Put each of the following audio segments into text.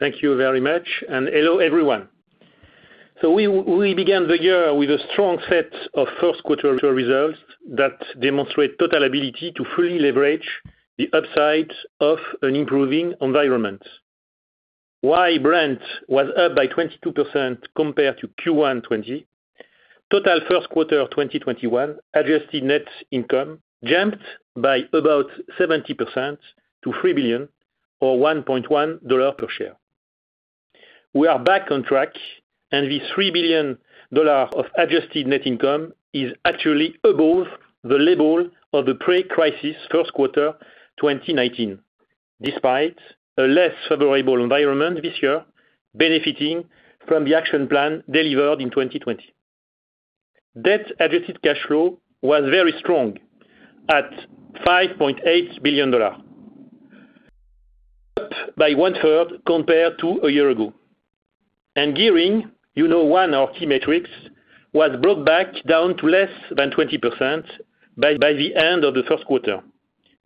Thank you very much. Hello, everyone. We began the year with a strong set of first-quarter results that demonstrate TotalEnergies' ability to fully leverage the upside of an improving environment. While Brent was up by 22% compared to Q1 2020, TotalEnergies' first quarter of 2021 adjusted net income jumped by about 70% to $3 billion or $1.10 per share. We are back on track. The $3 billion of adjusted net income is actually above the level of the pre-crisis first quarter 2019, despite a less favorable environment this year, benefiting from the action plan delivered in 2020. Debt-adjusted cash flow was very strong at $5.8 billion, up by one-third compared to a year ago. Gearing, you know one of our key metrics, was brought back down to less than 20% by the end of the first quarter,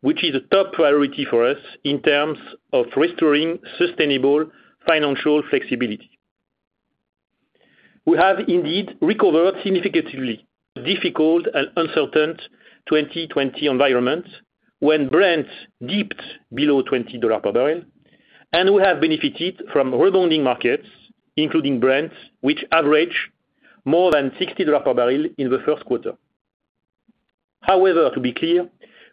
which is a top priority for us in terms of restoring sustainable financial flexibility. We have indeed recovered significantly from the difficult and uncertain 2020 environment, when Brent dipped below $20 per bbl, and we have benefited from rebounding markets, including Brent, which averaged more than $60 per bbl in the first quarter. However, to be clear,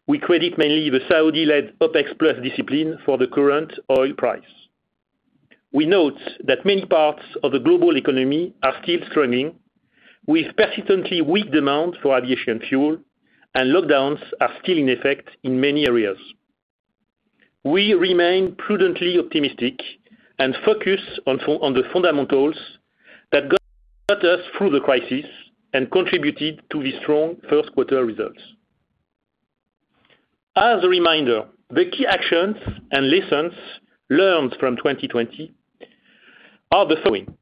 we credit mainly the Saudi-led OPEC+ discipline for the current oil price. We note that many parts of the global economy are still struggling with persistently weak demand for aviation fuel, and lockdowns are still in effect in many areas. We remain prudently optimistic and focused on the fundamentals that got us through the crisis and contributed to the strong first-quarter results. As a reminder, the key actions and lessons learned from 2020 are the following.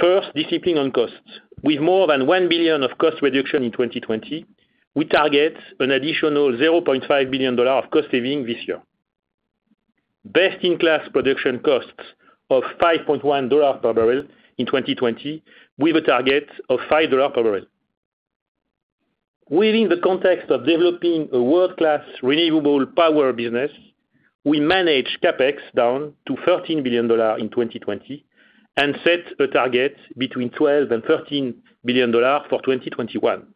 First, discipline on costs. With more than $1 billion of cost reduction in 2020, we target an additional $0.5 billion of cost saving this year. Best-in-class production costs of $5.10 per bbl in 2020 with a target of $5 per bbl. Within the context of developing a world-class renewable power business, we managed CapEx down to $13 billion in 2020 and set a target between $12 billion and $13 billion for 2021.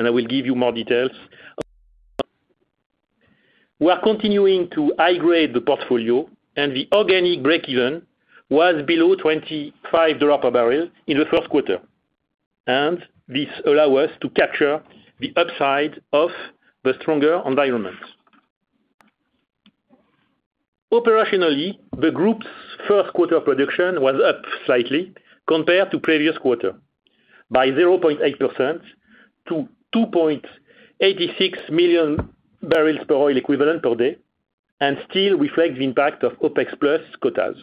I will give you more details. We are continuing to high-grade the portfolio, the organic breakeven was below $25 per bbl in the first quarter. This allow us to capture the upside of the stronger environment. Operationally, the group's first quarter production was up slightly compared to the previous quarter by 0.8% to 2.86 million barrels per MMbpd oil equivalent and still reflects the impact of OPEC+ quotas.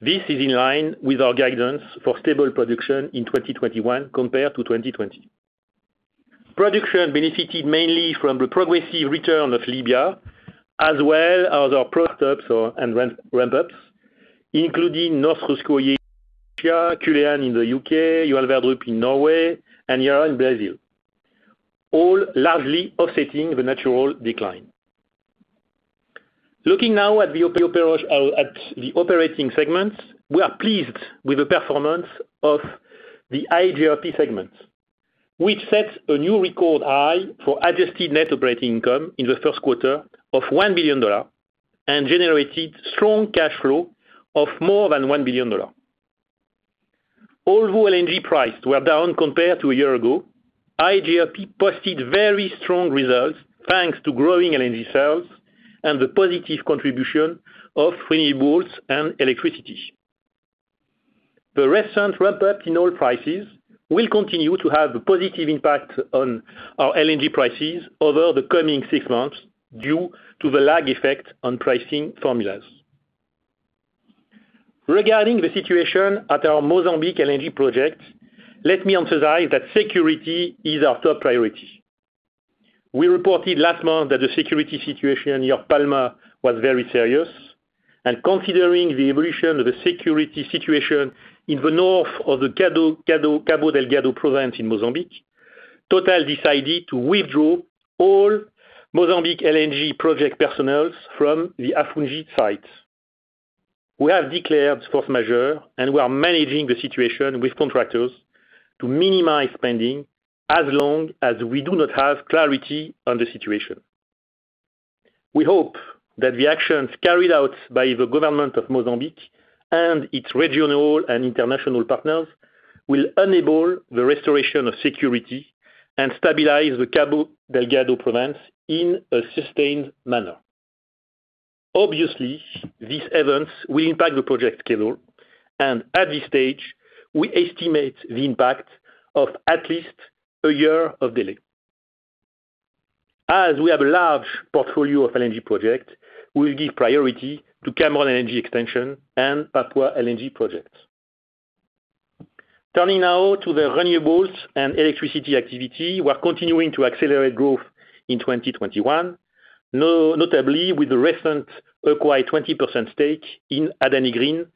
This is in line with our guidance for stable production in 2021 compared to 2020. Production benefited mainly from the progressive return of Libya as well as our process and ramp-ups, including Novy Urengoy in Russia, Culzean in the U.K., Johan Sverdrup in Norway, and Iara in Brazil, all largely offsetting the natural decline. Looking now at the operating segments, we are pleased with the performance of the iGRP segment. We've set a new record high for adjusted net operating income in the first quarter of $1 billion and generated strong cash flow of more than $1 billion. Although LNG prices were down compared to a year ago, iGRP posted very strong results thanks to growing LNG sales and the positive contribution of renewables and electricity. The recent ramp-up in oil prices will continue to have a positive impact on our LNG prices over the coming six months due to the lag effect on pricing formulas. Regarding the situation at our Mozambique LNG project, let me emphasize that security is our top priority. We reported last month that the security situation near Palma was very serious. Considering the evolution of the security situation in the north of the Cabo Delgado province in Mozambique. Total decided to withdraw all Mozambique LNG project personnel from the Afungi site. We have declared force majeure. We are managing the situation with contractors to minimize spending as long as we do not have clarity on the situation. We hope that the actions carried out by the Government of Mozambique and its regional and international partners will enable the restoration of security and stabilize the Cabo Delgado province in a sustained manner. Obviously, these events will impact the project schedule, and at this stage, we estimate the impact of at least a year of delay. As we have a large portfolio of LNG projects, we will give priority to Cameron LNG Extension and Papua LNG projects. Turning now to the renewables and electricity activity. We are continuing to accelerate growth in 2021, notably with the recent acquired 20% stake in Adani Green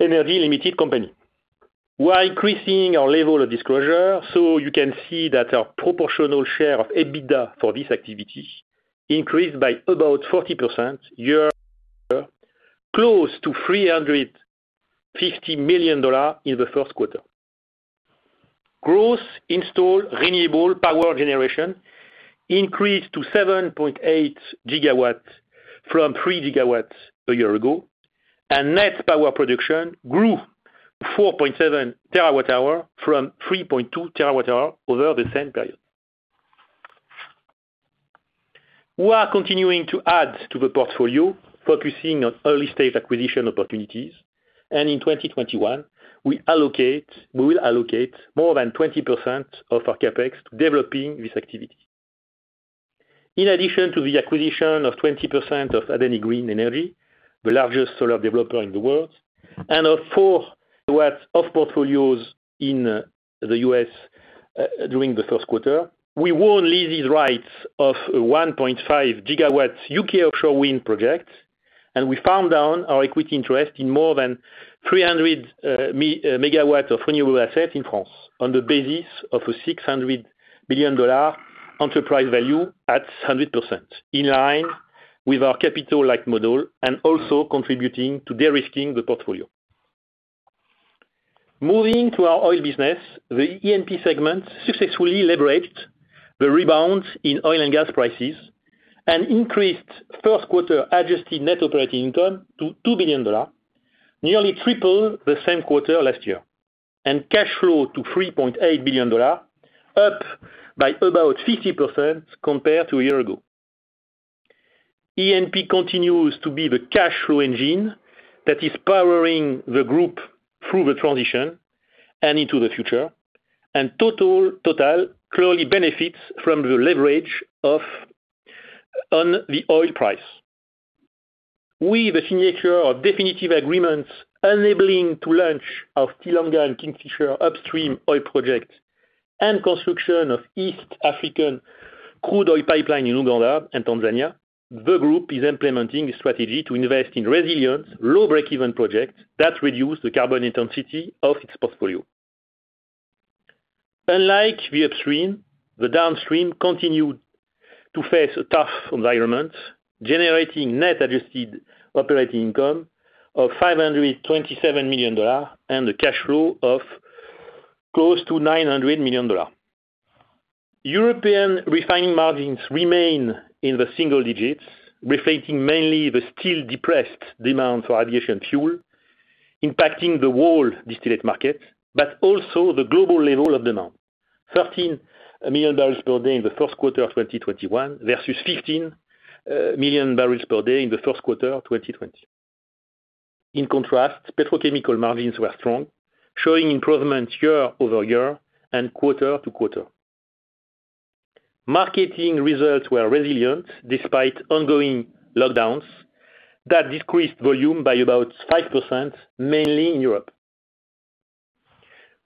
Energy Limited company. We are increasing our level of disclosure so you can see that our proportional share of EBITDA for this activity increased by about 40% year-over-year, close to $350 million in the first quarter. Gross installed renewable power generation increased to 7.8 GW from 3 GW a year ago, and net power production grew 4.7 TW hour from 3.2 TWh over the same period. We are continuing to add to the portfolio, focusing on early-stage acquisition opportunities, and in 2021, we will allocate more than 20% of our CapEx to developing this activity. In addition to the acquisition of 20% of Adani Green Energy, the largest solar developer in the world, and of 4 GW of portfolios in the U.S. during the first quarter, we won leases rights of 1.5 GW U.K. offshore wind project, and we farmed down our equity interest in more than 300 MW of renewable assets in France on the basis of a $600 million enterprise value at 100%, in line with our capital-light model and also contributing to de-risking the portfolio. Moving to our oil business, the E&P segment successfully leveraged the rebound in oil and gas prices and increased first quarter adjusted net operating income to $2 billion, nearly triple the same quarter last year. Cash flow to $3.8 billion, up by about 50% compared to a year ago. E&P continues to be the cash flow engine that is powering the group through the transition and into the future, and Total clearly benefits from the leverage on the oil price. With the signature of definitive agreements enabling to launch our Tilenga and Kingfisher upstream oil project and construction of East African crude oil pipeline in Uganda and Tanzania, the group is implementing a strategy to invest in resilient, low break-even projects that reduce the carbon intensity of its portfolio. Unlike the upstream, the downstream continued to face a tough environment, generating net adjusted operating income of $527 million and a cash flow of close to $900 million. European refining margins remain in the single digits, reflecting mainly the still depressed demand for aviation fuel, impacting the whole distillate market, but also the global level of demand. 13 MMbpd in the first quarter of 2021 versus 15 MMbpd in the first quarter of 2020. In contrast, petrochemical margins were strong, showing improvement year-over-year and quarter-to-quarter. Marketing results were resilient despite ongoing lockdowns that decreased volume by about 5%, mainly in Europe.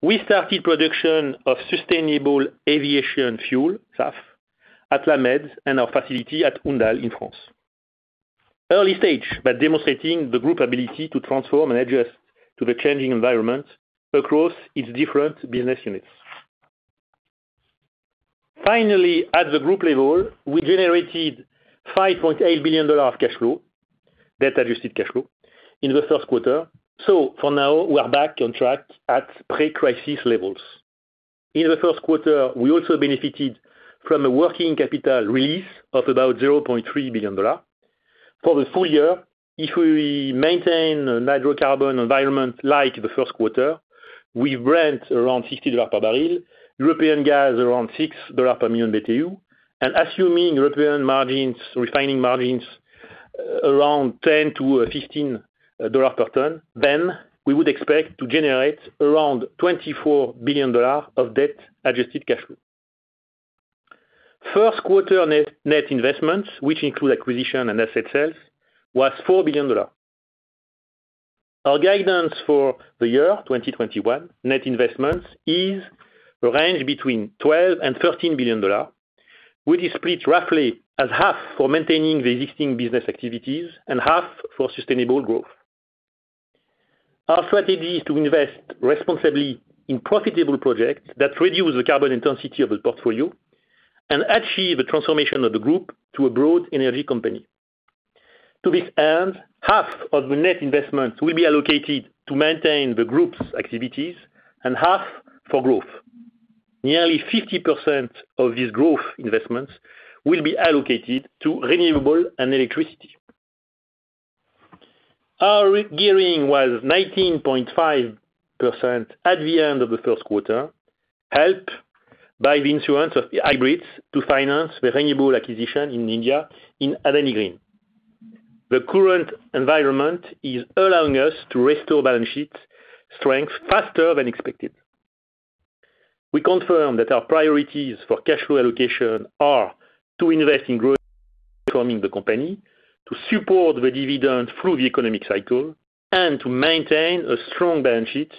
We started production of sustainable aviation fuel, SAF, at La Mède and our facility at Oudalle in France. Early stage, but demonstrating the group ability to transform and adjust to the changing environment across its different business units. Finally, at the group level, we generated $5.8 billion of cash flow, debt-adjusted cash flow in the first quarter. For now, we are back on track at pre-crisis levels. In the first quarter, we also benefited from a working capital release of about $0.3 billion. For the full year, if we maintain a hydrocarbon environment like the first quarter, with Brent around $60 per bbl, European gas around $6 per million BTU, and assuming European margins, refining margins, around $10-$15 per ton, we would expect to generate around $24 billion of debt-adjusted cash flow. First quarter net investments, which include acquisition and asset sales, was $4 billion. Our guidance for the year 2021 net investments is a range between $12 billion and $13 billion, which is split roughly as half for maintaining the existing business activities and half for sustainable growth. Our strategy is to invest responsibly in profitable projects that reduce the carbon intensity of the portfolio and achieve the transformation of the group to a broad energy company. To this end, half of the net investments will be allocated to maintain the group's activities and half for growth. Nearly 50% of these growth investments will be allocated to renewable and electricity. Our gearing was 19.5% at the end of the first quarter, helped by the issuance of hybrids to finance the renewable acquisition in India in Adani Green. The current environment is allowing us to restore balance sheet strength faster than expected. We confirm that our priorities for cash flow allocation are to invest in growing the company, to support the dividend through the economic cycle, and to maintain a strong balance sheet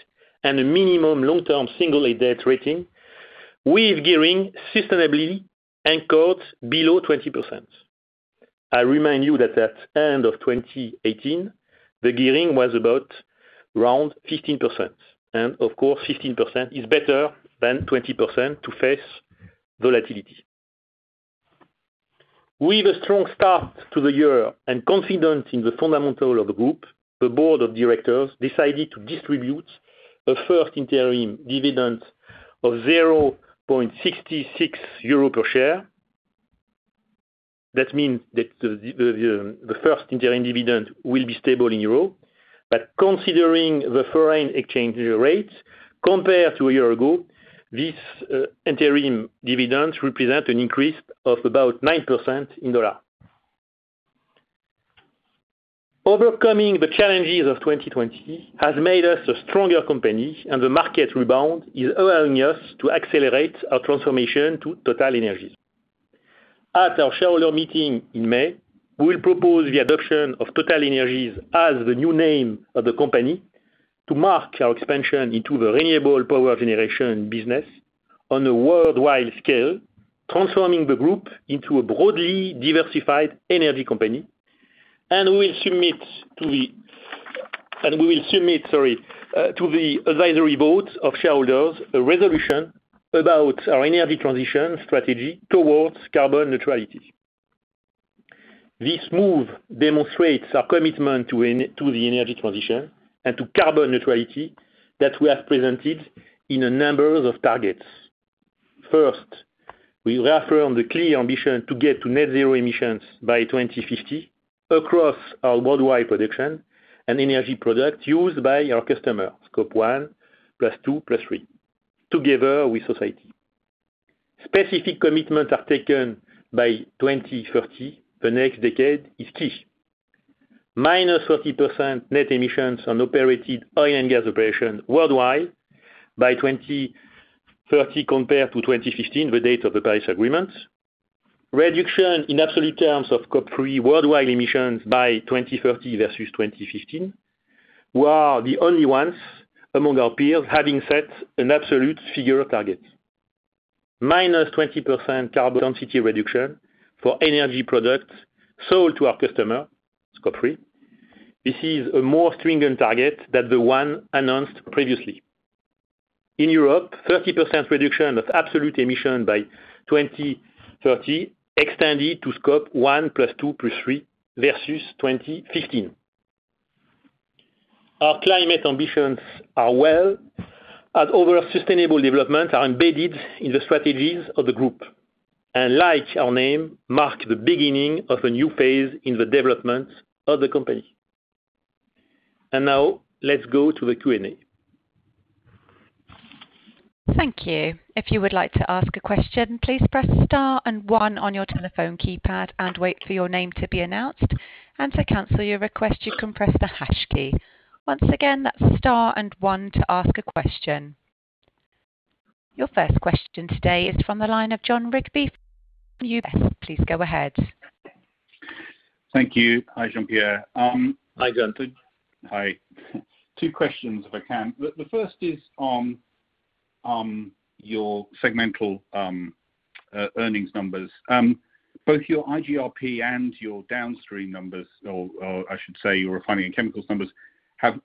and a minimum long-term single A debt rating, with gearing sustainably anchored below 20%. I remind you that at the end of 2018, the gearing was around 15%, of course, 15% is better than 20% to face volatility. With a strong start to the year and confidence in the fundamental of the group, the board of directors decided to distribute a first interim dividend of 0.66 euro per share. That means that the first interim dividend will be stable in euro, considering the foreign exchange rates, compared to a year ago, this interim dividend represents an increase of about 9% in USD. Overcoming the challenges of 2020 has made us a stronger company, the market rebound is allowing us to accelerate our transformation to TotalEnergies. At our shareholder meeting in May, we will propose the adoption of TotalEnergies as the new name of the company to mark our expansion into the renewable power generation business on a worldwide scale, transforming the group into a broadly diversified energy company. We will submit, sorry, to the advisory board of shareholders a resolution about our energy transition strategy towards carbon neutrality. This move demonstrates our commitment to the energy transition and to carbon neutrality that we have presented in a number of targets. First, we reaffirm the clear ambition to get to net zero emissions by 2050 across our worldwide production and energy product used by our customers, Scope 1 + 2 + 3, together with society. Specific commitments are taken by 2030. The next decade is key. -30% net emissions on operated oil and gas operations worldwide by 2030 compared to 2015, the date of the Paris Agreement. Reduction in absolute terms of Scope 3 worldwide emissions by 2030 versus 2015. We are the only ones among our peers having set an absolute figure target. -20% carbon intensity reduction for energy products sold to our customer, Scope 3. This is a more stringent target than the one announced previously. In Europe, 30% reduction of absolute emission by 2030 extended to Scope 1 + 2 + 3 versus 2015. Our climate ambitions are well and other sustainable developments are embedded in the strategies of the group and, like our name, mark the beginning of a new phase in the development of the company. Now let's go to the Q&A. Thank you. Your first question today is from the line of Jon Rigby. Please go ahead. Thank you. Hi, Jean-Pierre. Hi, Jon. Hi. Two questions, if I can. The first is on your segmental earnings numbers. Both your iGRP and your downstream numbers, or I should say your refining and chemicals numbers, have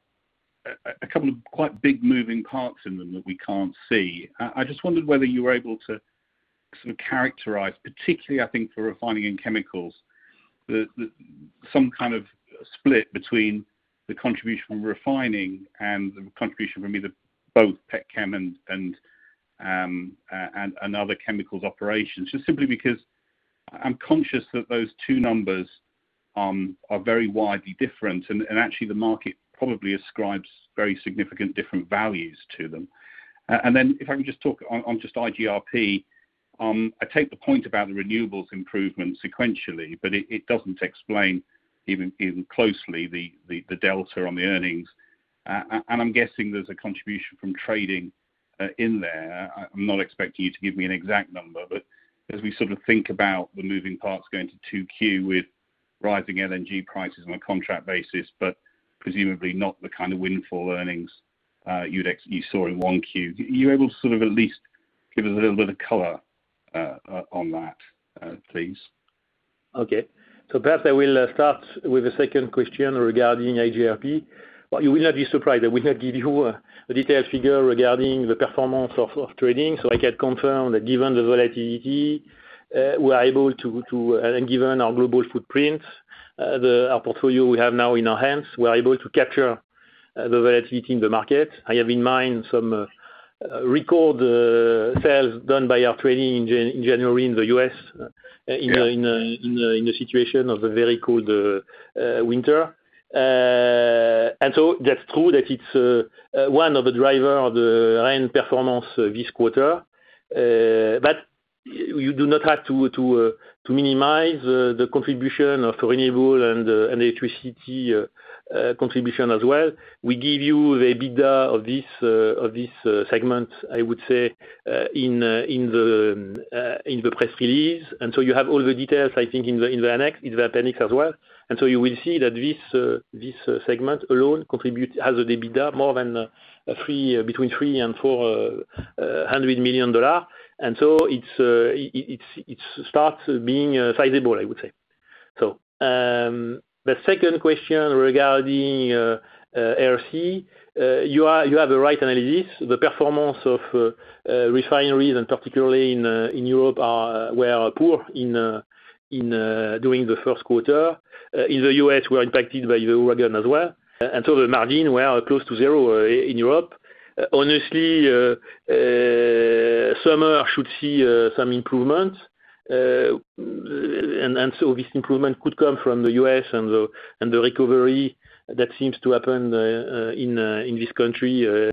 a couple of quite big moving parts in them that we can't see. I just wondered whether you were able to sort of characterize, particularly, I think, for refining and chemicals, some kind of split between the contribution from refining and the contribution from either both petchem and other chemicals operations. Just simply because I'm conscious that those two numbers are very widely different and actually the market probably ascribes very significant different values to them. If I can just talk on just iGRP. I take the point about the renewables improvement sequentially, it doesn't explain even closely the delta on the earnings. I'm guessing there's a contribution from trading in there. I'm not expecting you to give me an exact number, but as we sort of think about the moving parts going to 2Q with rising LNG prices on a contract basis, but presumably not the kind of windfall earnings you saw in 1Q. Are you able to sort of at least give us a little bit of color on that, please? Okay. Perhaps I will start with the second question regarding iGRP. Well, you will not be surprised that we cannot give you a detailed figure regarding the performance of trading. I can confirm that given the volatility, and given our global footprint, our portfolio we have now in our hands, we are able to capture the volatility in the market. I have in mind some record sales done by our trading in January in the U.S. in the situation of a very cold winter. That's true that it's one of the driver of the high-end performance this quarter. You do not have to minimize the contribution of renewable and electricity contribution as well. We give you the EBITDA of this segment, I would say, in the press release. You have all the details, I think, in the appendix as well. You will see that this segment alone contributes as EBITDA more than between $300 million and $400 million. It starts being sizable, I would say. The second question regarding R&C, you have the right analysis. The performance of refineries, and particularly in Europe, was poor during the first quarter. In the U.S., we're impacted by the Uri again as well. The margin, we are close to zero in Europe. Honestly, summer should see some improvement. This improvement could come from the U.S. and the recovery that seems to happen in this country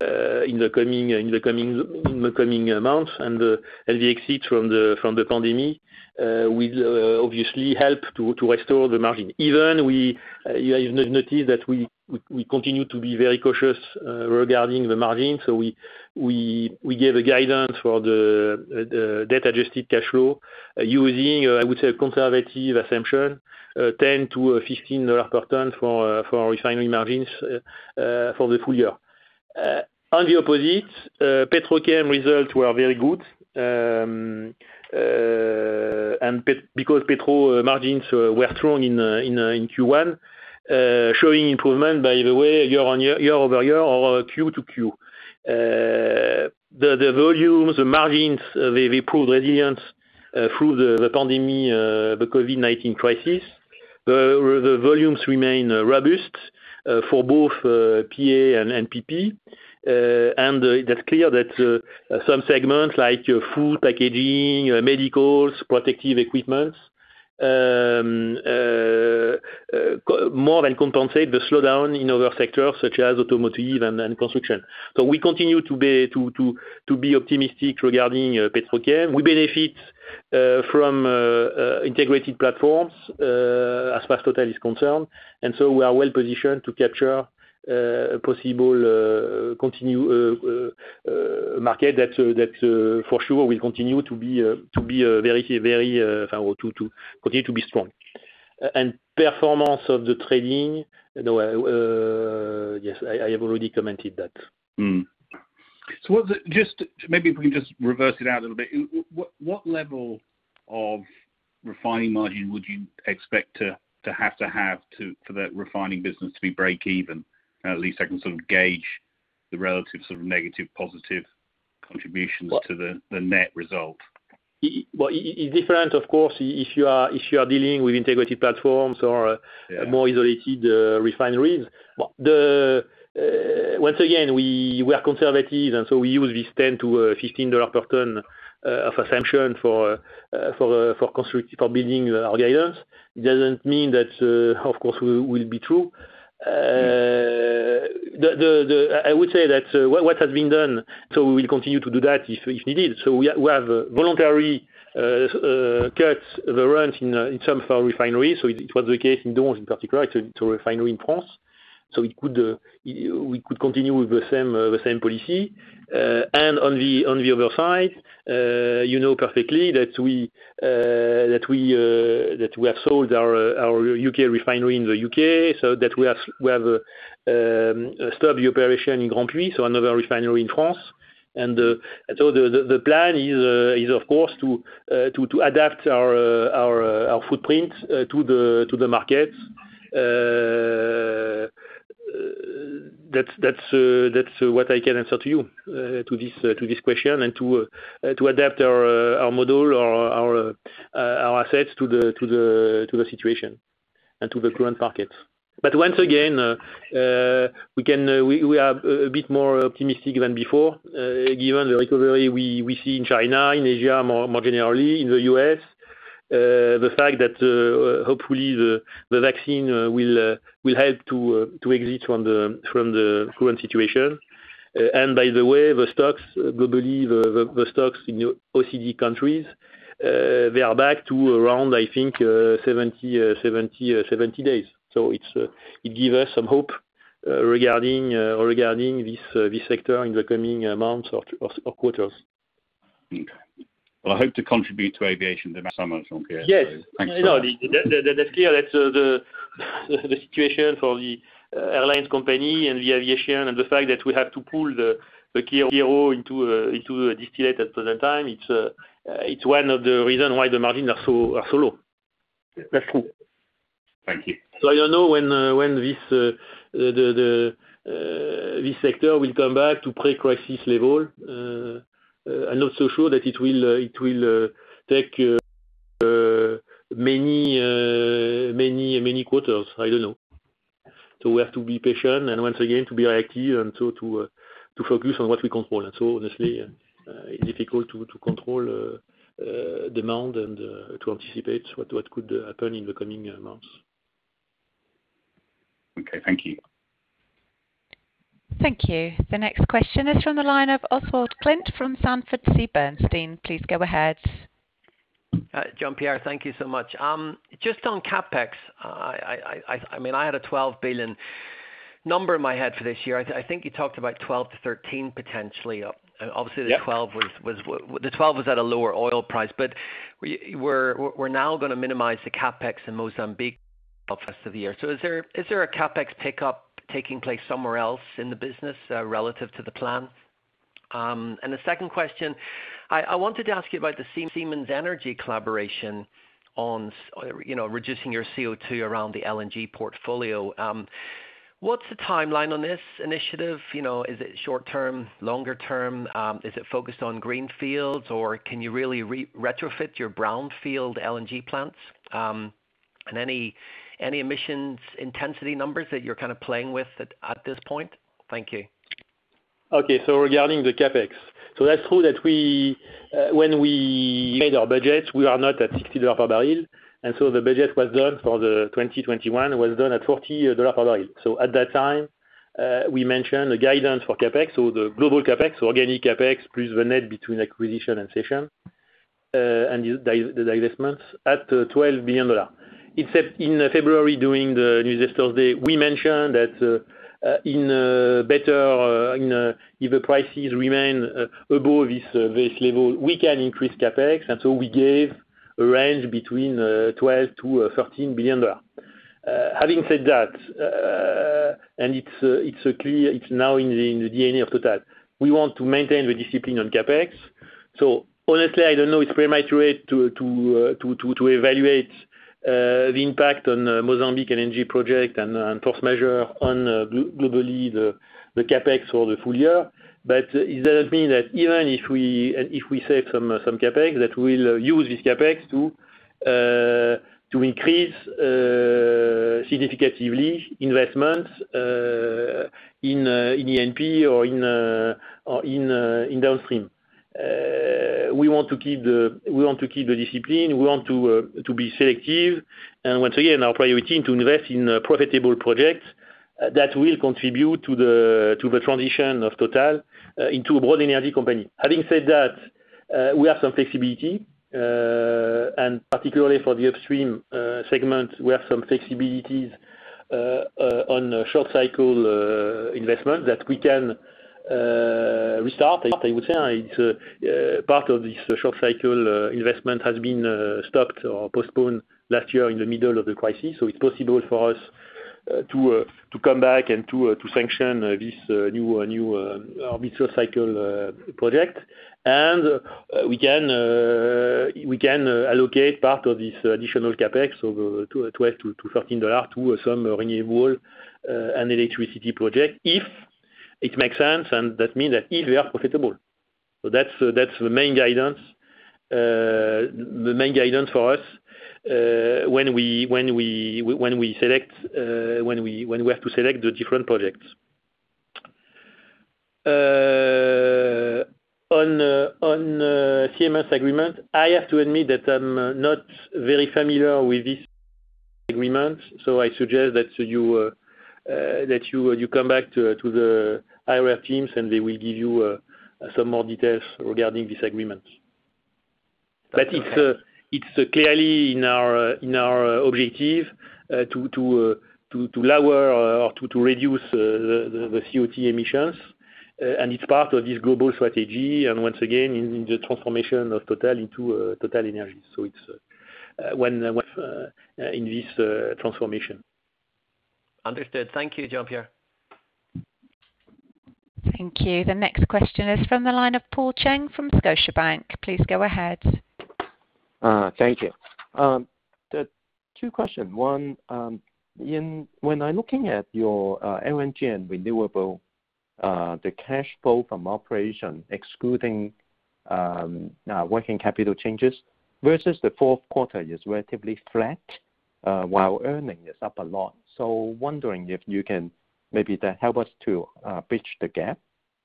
in the coming months, and the exit from the pandemic will obviously help to restore the margin. Even you have noticed that we continue to be very cautious regarding the margin, so we gave a guidance for the net adjusted cash flow using, I would say, conservative assumption, $10-$15 per ton for refinery margins for the full year. On the opposite, petrochem results were very good. Because petrol margins were strong in Q1, showing improvement, by the way, year-over-year or Q-to-Q. The volumes, the margins, they proved resilient through the pandemic, the COVID-19 crisis. The volumes remain robust for both PE and NPP. It is clear that some segments like food packaging, medical, protective equipment, more than compensate the slowdown in other sectors such as automotive and construction. We continue to be optimistic regarding Petrochem. We benefit from integrated platforms as far as Total is concerned. We are well-positioned to capture a possible continued market that for sure will continue to be strong. Performance of the trading, yes, I have already commented that. Maybe if we can just reverse it out a little bit. What level of refining margin would you expect to have to have for the refining business to be break even? At least I can sort of gauge the relative sort of negative, positive contributions to the net result. It's different, of course, if you are dealing with integrated platforms or more isolated refineries. Once again, we are conservative, and so we use this $10-$15 per ton of assumption for building our guidance. It doesn't mean that, of course, will be true. Yeah. I would say that what has been done. We will continue to do that if needed. We have voluntary cuts, the runs in terms of our refinery. It was the case in those in particular to refinery in France. We could continue with the same policy. On the other side, you know perfectly that we have sold our U.K. refinery in the U.K., so that we have stopped the operation in Grandpuits, so another refinery in France. The plan is, of course, to adapt our footprint to the market. That's what I can answer to you to this question and to adapt our model or our assets to the situation and to the current market. Once again, we are a bit more optimistic than before, given the recovery we see in China, in Asia, more generally in the U.S. The fact that, hopefully, the vaccine will help to exit from the current situation. By the way, the stocks globally, the stocks in OECD countries, they are back to around, I think, 70 days. It give us some hope regarding this sector in the coming months or quarters. Okay. Well, I hope to contribute to aviation demand somehow, Jean-Pierre. Yes. Thanks for that. That's clear. That's the situation for the airlines company and the aviation, and the fact that we have to pull the kerosene into a distillate at present time. It's one of the reason why the margin are so low. That's true. Thank you. I don't know when this sector will come back to pre-crisis level. I'm not so sure that it will take many quarters. I don't know. We have to be patient and once again, to be active and so to focus on what we control. Honestly, it's difficult to control demand and to anticipate what could happen in the coming months. Okay, thank you. Thank you. The next question is from the line of Oswald Clint from Sanford C. Bernstein. Please go ahead. Jean-Pierre, thank you so much. Just on CapEx, I had a $12 billion number in my head for this year. I think you talked about $12 billion-$13 billion potentially. Yeah. Obviously, the $12 billion was at a lower oil price. We're now going to minimize the CapEx in Mozambique rest of the year. Is there a CapEx pickup taking place somewhere else in the business relative to the plan? The second question, I wanted to ask you about the Siemens Energy collaboration on reducing your CO2 around the LNG portfolio. What's the timeline on this initiative? Is it short-term, longer term? Is it focused on greenfields, or can you really retrofit your brownfield LNG plants? Any emissions intensity numbers that you're kind of playing with at this point? Thank you. Okay. Regarding the CapEx. That's true that when we made our budget, we are not at $60 per bbl, and the budget was done for 2021, was done at $40 per bbl. At that time, we mentioned the guidance for CapEx or the global CapEx, organic CapEx, plus the net between acquisition and cessation, and the divestments at $12 billion. Except in February, during the Investors Day, we mentioned that if the prices remain above this level, we can increase CapEx, and we gave a range between $12 billion-$13 billion. Having said that, and it's now in the DNA of Total. We want to maintain the discipline on CapEx. Honestly, I don't know, it's premature to evaluate the impact on Mozambique LNG project and force majeure on globally the CapEx for the full year. It doesn't mean that even if we save some CapEx, that we'll use this CapEx to increase significantly investments in E&P or in downstream. We want to keep the discipline, we want to be selective, and once again, our priority to invest in profitable projects that will contribute to the transition of Total into a broad energy company. Having said that, we have some flexibility. Particularly for the upstream segment, we have some flexibilities on short cycle investment that we can restart. I would say, part of this short cycle investment has been stopped or postponed last year in the middle of the crisis. It's possible for us to come back and to sanction this new short cycle project. We can allocate part of this additional CapEx of$12 billion to $13 billion to some renewable and electricity project, if it makes sense, and that means that if we are profitable. That's the main guidance for us when we have to select the different projects. On Siemens agreement, I have to admit that I'm not very familiar with this agreement. I suggest that you come back to the IR teams, and they will give you some more details regarding this agreement. It's clearly in our objective to lower or to reduce the CO2 emissions. It's part of this global strategy, and once again, in the transformation of Total into TotalEnergies. It's in this transformation. Understood. Thank you, Jean-Pierre. Thank you. The next question is from the line of Paul Cheng from Scotiabank. Please go ahead. Thank you. Two question. One, when I'm looking at your LNG and renewable, the cash flow from operation excluding working capital changes versus the fourth quarter is relatively flat, while earnings is up a lot. Wondering if you can maybe help us to bridge the gap,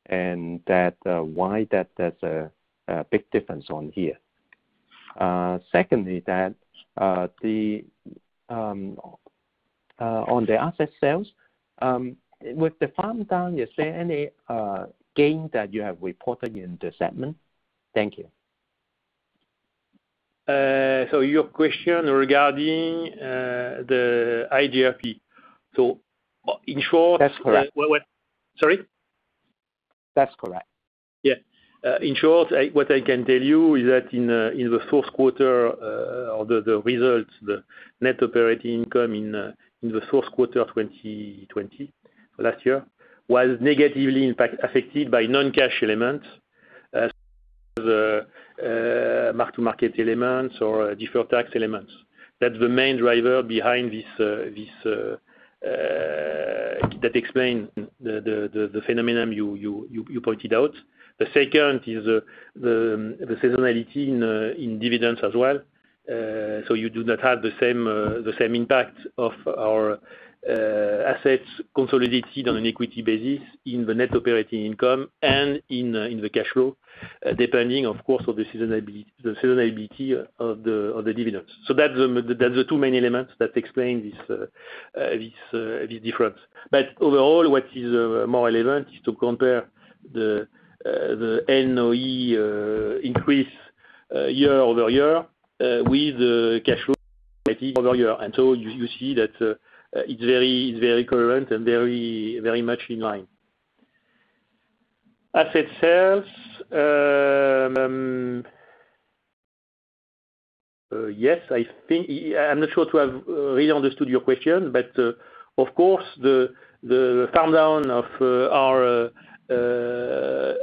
and that why that there's a big difference on here. Secondly, on the asset sales, with the farm down, is there any gain that you have reported in the segment? Thank you. Your question regarding the iGRP. That's correct. Sorry? That's correct. Yeah. In short, what I can tell you is that in the first quarter, or the results, the net operating income in the first quarter 2020, last year, was negatively affected by non-cash elements, the mark-to-market elements or deferred tax elements. That's the main driver behind this, that explain the phenomenon you pointed out. The second is the seasonality in dividends as well. You do not have the same impact of our assets consolidated on an equity basis in the net operating income and in the cash flow, depending, of course, on the seasonality of the dividends. That's the two main elements that explain this difference. Overall, what is more relevant is to compare the NOI increase year-over-year with the cash flow year-over-year. You see that it's very current and very much in line. Asset sales. I'm not sure to have really understood your question. Of course, the farm down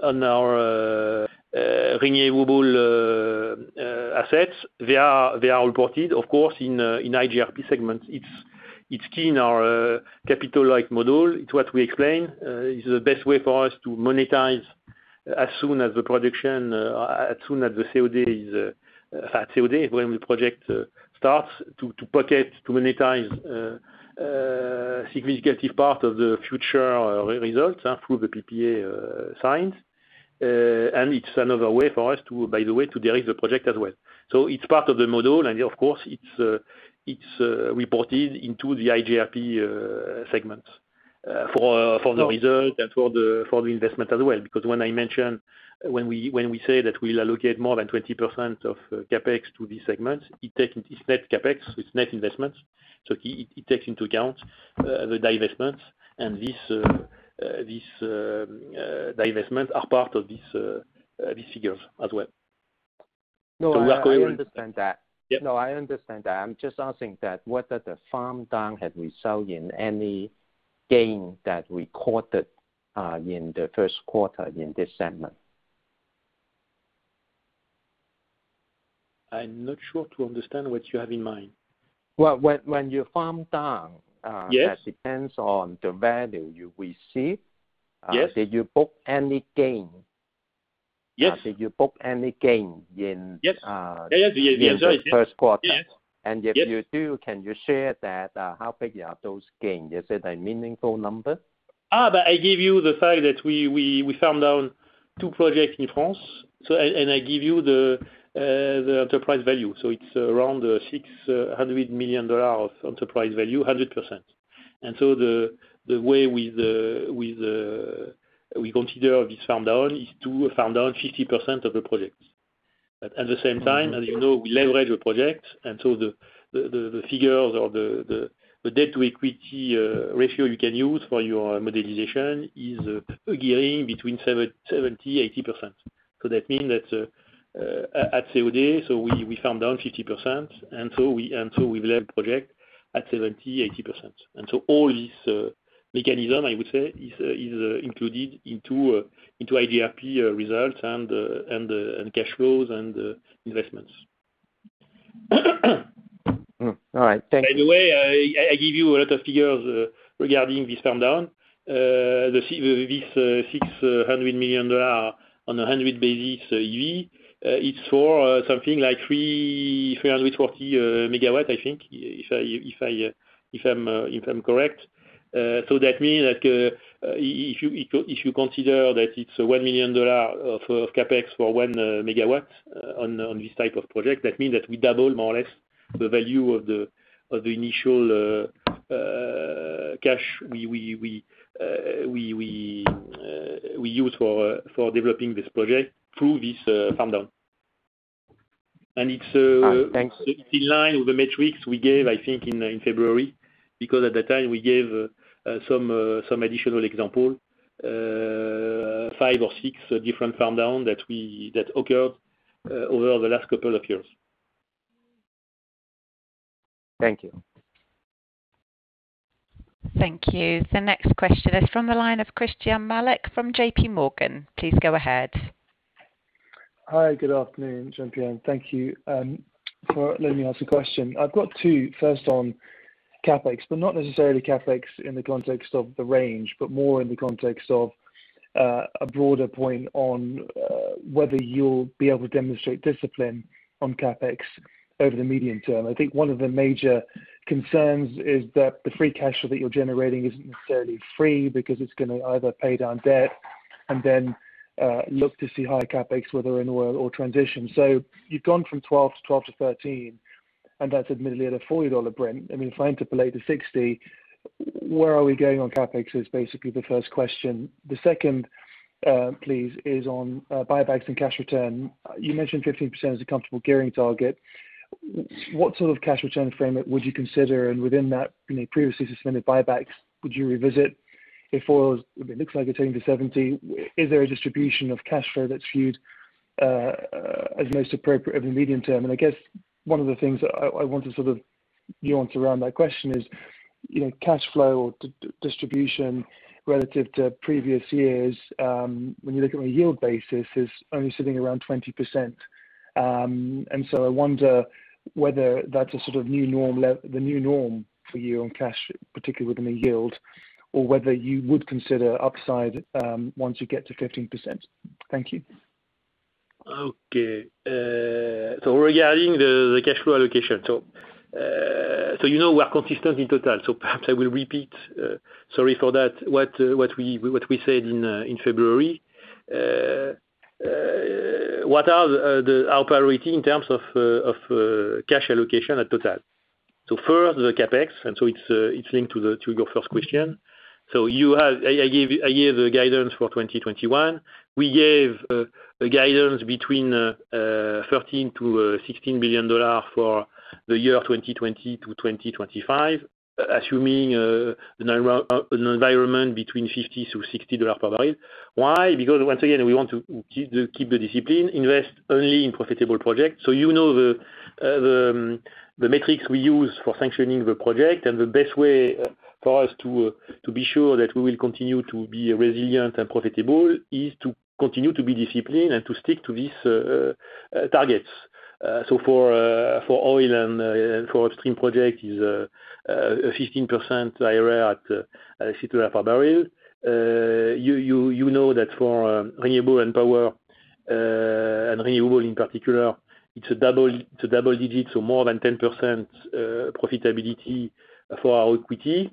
on our renewable assets, they are reported, of course, in iGRP segment. It's key in our capital-like model. It's what we explain. It's the best way for us to monetize as soon as the projection, as soon as the COD, when the project starts to pocket, to monetize a significant part of the future results through the PPA signs. It's another way for us, by the way, to direct the project as well. It's part of the model, and of course, it's reported into the iGRP segments for the result and for the investment as well. When we say that we'll allocate more than 20% of CapEx to this segment, it's net CapEx, it's net investments. It takes into account the divestments, and these divestments are part of these figures as well. No, I understand that. Yep. No, I understand that. I'm just asking that whether the farm-down had result in any gain that we recorded in the first quarter in this segment? I'm not sure to understand what you have in mind. Well, when you farm down. Yes. That depends on the value we see. Yes. Did you book any gain? Yes. Did you book any gain in- Yes. The answer is yes. gthe first quarter? Yes. If you do, can you share that? How big are those gains? Is it a meaningful number? I give you the fact that we farmed down two projects in France, I give you the enterprise value. It's around $600 million of enterprise value, 100%. The way we consider this farm down is to farm down 50% of the projects. At the same time, as you know, we leverage the project, the figures or the debt to equity ratio you can use for your modelization is gearing between 70%-80%. That mean that at COD, we farm down 50%, we lever project at 70%-80%. All this mechanism, I would say, is included into iGRP results and cash flows and investments. All right. Thank you. By the way, I give you a lot of figures regarding this farm down. This $600 million on 100 basis EV, it's for something like 340 MW, I think, if I'm correct. That mean that if you consider that it's $1 million of CapEx for 1 MW on this type of project, that means that we double more or less the value of the initial cash we use for developing this project through this farm down. Thanks. It's in line with the metrics we gave, I think, in February, because at that time we gave some additional example, five or six different farm down that occurred over the last couple of years. Thank you. Thank you. The next question is from the line of Christyan Malek from JPMorgan. Please go ahead. Hi, good afternoon, Jean-Pierre. Thank you for letting me ask a question. I've got two. First on CapEx, but not necessarily CapEx in the context of the range, but more in the context of a broader point on whether you'll be able to demonstrate discipline on CapEx over the medium term. I think one of the major concerns is that the free cash flow that you're generating isn't necessarily free because it's going to either pay down debt and then look to see higher CapEx, whether in oil or transition. You've gone from $12 billion-$13 billion, and that's admittedly at a $40 Brent. If I interpolate to $60, where are we going on CapEx is basically the first question. The second, please, is on buybacks and cash return. You mentioned 15% as a comfortable gearing target. What sort of cash return frame would you consider? Within that, previously suspended buybacks, would you revisit if oil, it looks like it's heading to $70? Is there a distribution of cash flow that's viewed as most appropriate over the medium term? I guess one of the things that I want to sort of nuance around that question is, cash flow or distribution relative to previous years, when you look at a yield basis, is only sitting around 20%. I wonder whether that's the new norm for you on cash, particularly within a yield, or whether you would consider upside once you get to 15%. Thank you. Okay. Regarding the cash flow allocation. You know we are consistent in Total. Perhaps I will repeat, sorry for that, what we said in February. What are our priority in terms of cash allocation at Total? First, the CapEx, and so it's linked to your first question. I gave a year guidance for 2021. We gave a guidance between $13 billion-$16 billion for the year 2020-2025, assuming an environment between $50-$60 per bbl. Why? Because once again, we want to keep the discipline, invest only in profitable projects. You know the metrics we use for sanctioning the project, and the best way for us to be sure that we will continue to be resilient and profitable is to continue to be disciplined and to stick to these targets. For oil and for upstream project is a 15% IRR at $60 per bbl. You know that for renewable and power, and renewable in particular, it's a double digit, so more than 10% profitability for our equity.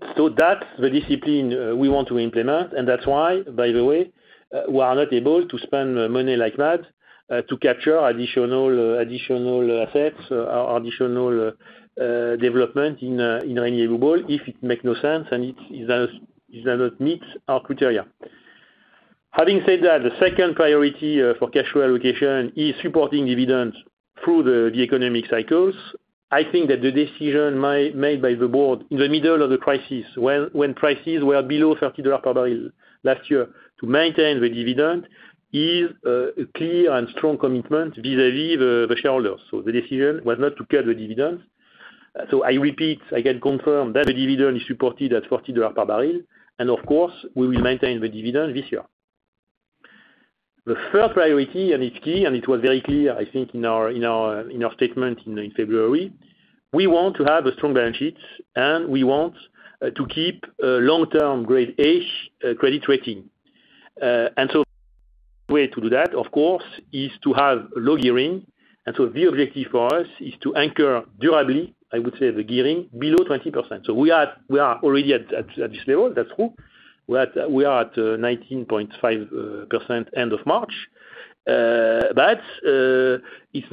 That's the discipline we want to implement, and that's why, by the way, we are not able to spend money like that to capture additional assets or additional development in renewable if it make no sense and it does not meet our criteria. Having said that, the second priority for cash flow allocation is supporting dividends through the economic cycles. I think that the decision made by the board in the middle of the crisis, when prices were below $30 per bbl last year, to maintain the dividend, is a clear and strong commitment vis-a-vis the shareholders. The decision was not to cut the dividend. I repeat, I can confirm that the dividend is supported at $40 per bbl, and of course, we will maintain the dividend this year. The third priority, and it's key, and it was very clear, I think, in our statement in February. We want to have a strong balance sheet, and we want to keep a long-term Grade A credit rating. The way to do that, of course, is to have low gearing. The objective for us is to anchor durably, I would say, the gearing below 20%. We are already at this level, that's true. We are at 19.5% end of March. It's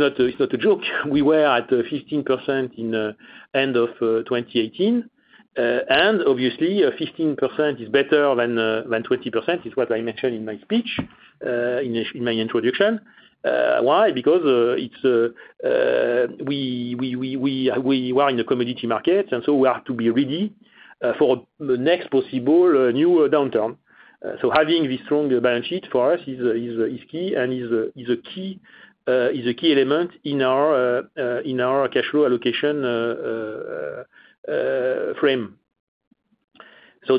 not a joke. We were at 15% in end of 2018. Obviously, 15% is better than 20%, is what I mentioned in my speech, in my introduction. Why? We are in the commodity market, we have to be ready for the next possible new downturn. Having this stronger balance sheet for us is key, and is a key element in our cash flow allocation frame.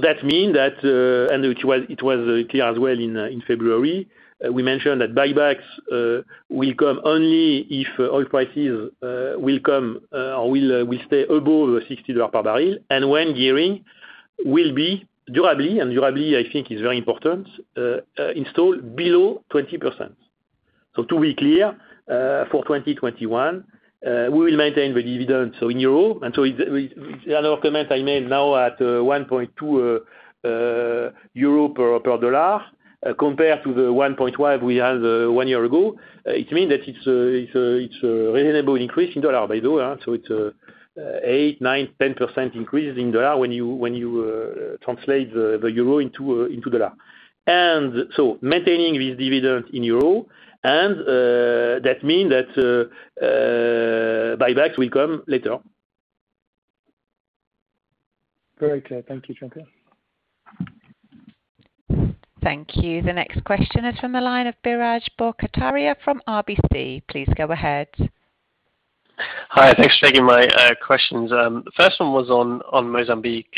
That mean that, it was clear as well in February, we mentioned that buybacks will come only if oil prices will stay above $60 per bbl, and when gearing will be durably, I think, is very important, installed below 20%. To be clear, for 2021, we will maintain the dividend. In euro, another comment I made now at 1.2 euro per dollar, compared to the 1.5 we had one year ago. It means that it's a reasonable increase in dollar, by dollar, it's 8%, 9%, 10% increase in dollar when you translate the euro into dollar. Maintaining this dividend in euro, and that mean that buybacks will come later. Great. Thank you, Jean-Pierre. Thank you. The next question is from the line of Biraj Borkhataria from RBC. Please go ahead. Hi, thanks for taking my questions. The first one was on Mozambique.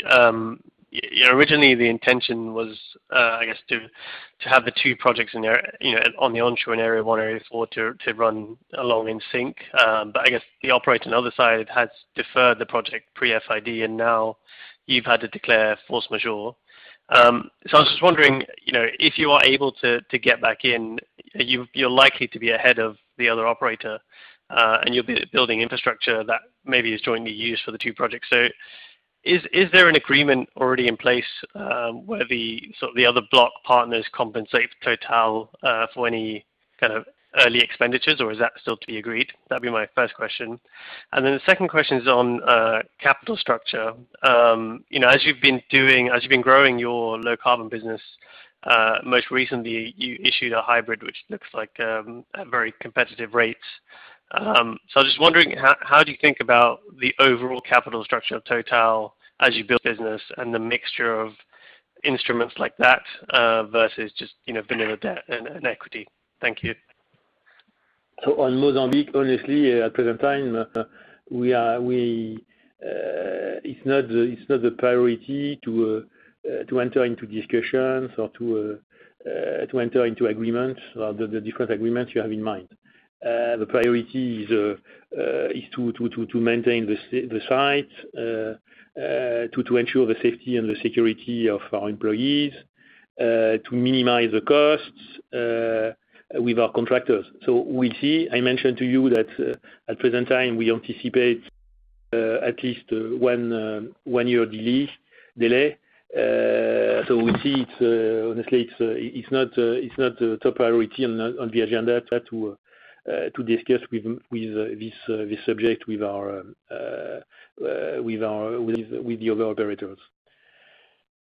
Originally, the intention was, I guess, to have the two projects on the onshore in Area 1, Area 4 to run along in sync. I guess the operator on the other side has deferred the project pre-FID, and now you've had to declare force majeure. I was just wondering, if you are able to get back in, you're likely to be ahead of the other operator, and you'll be building infrastructure that maybe is jointly used for the two projects. Is there an agreement already in place where the other block partners compensate Total for any kind of early expenditures, or is that still to be agreed? That'd be my first question. Then the second question is on capital structure. As you've been growing your low-carbon business, most recently, you issued a hybrid, which looks like at very competitive rates. I was just wondering, how do you think about the overall capital structure of Total as you build business and the mixture of instruments like that versus just the newer debt and equity? Thank you. On Mozambique, honestly, at present time, it's not the priority to enter into discussions or to enter into agreements or the different agreements you have in mind. The priority is to maintain the site, to ensure the safety and the security of our employees, to minimize the costs with our contractors. We'll see. I mentioned to you that at present time, we anticipate at least one year delay. We see it's not top priority on the agenda to discuss this subject with the other operators.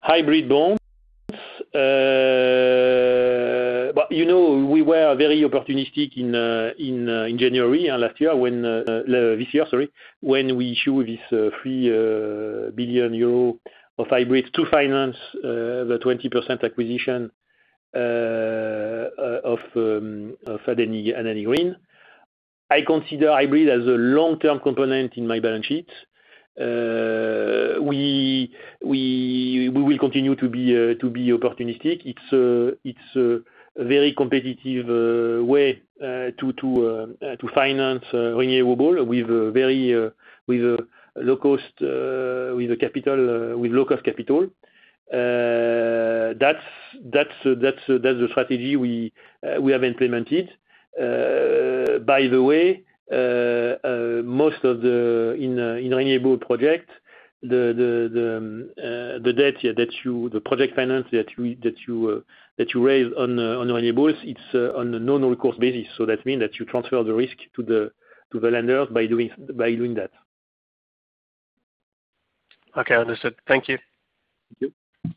Hybrid bonds. We were very opportunistic in January of this year, when we issue this 3 billion euro of hybrids to finance the 20% acquisition of Adani Green. I consider hybrid as a long-term component in my balance sheet. We will continue to be opportunistic. It's a very competitive way to finance renewable with low cost capital. That's the strategy we have implemented. Most of the in renewable project, the project finance that you raise on renewables, it's on a no cost basis. That mean that you transfer the risk to the lenders by doing that. Okay, understood. Thank you. Thank you.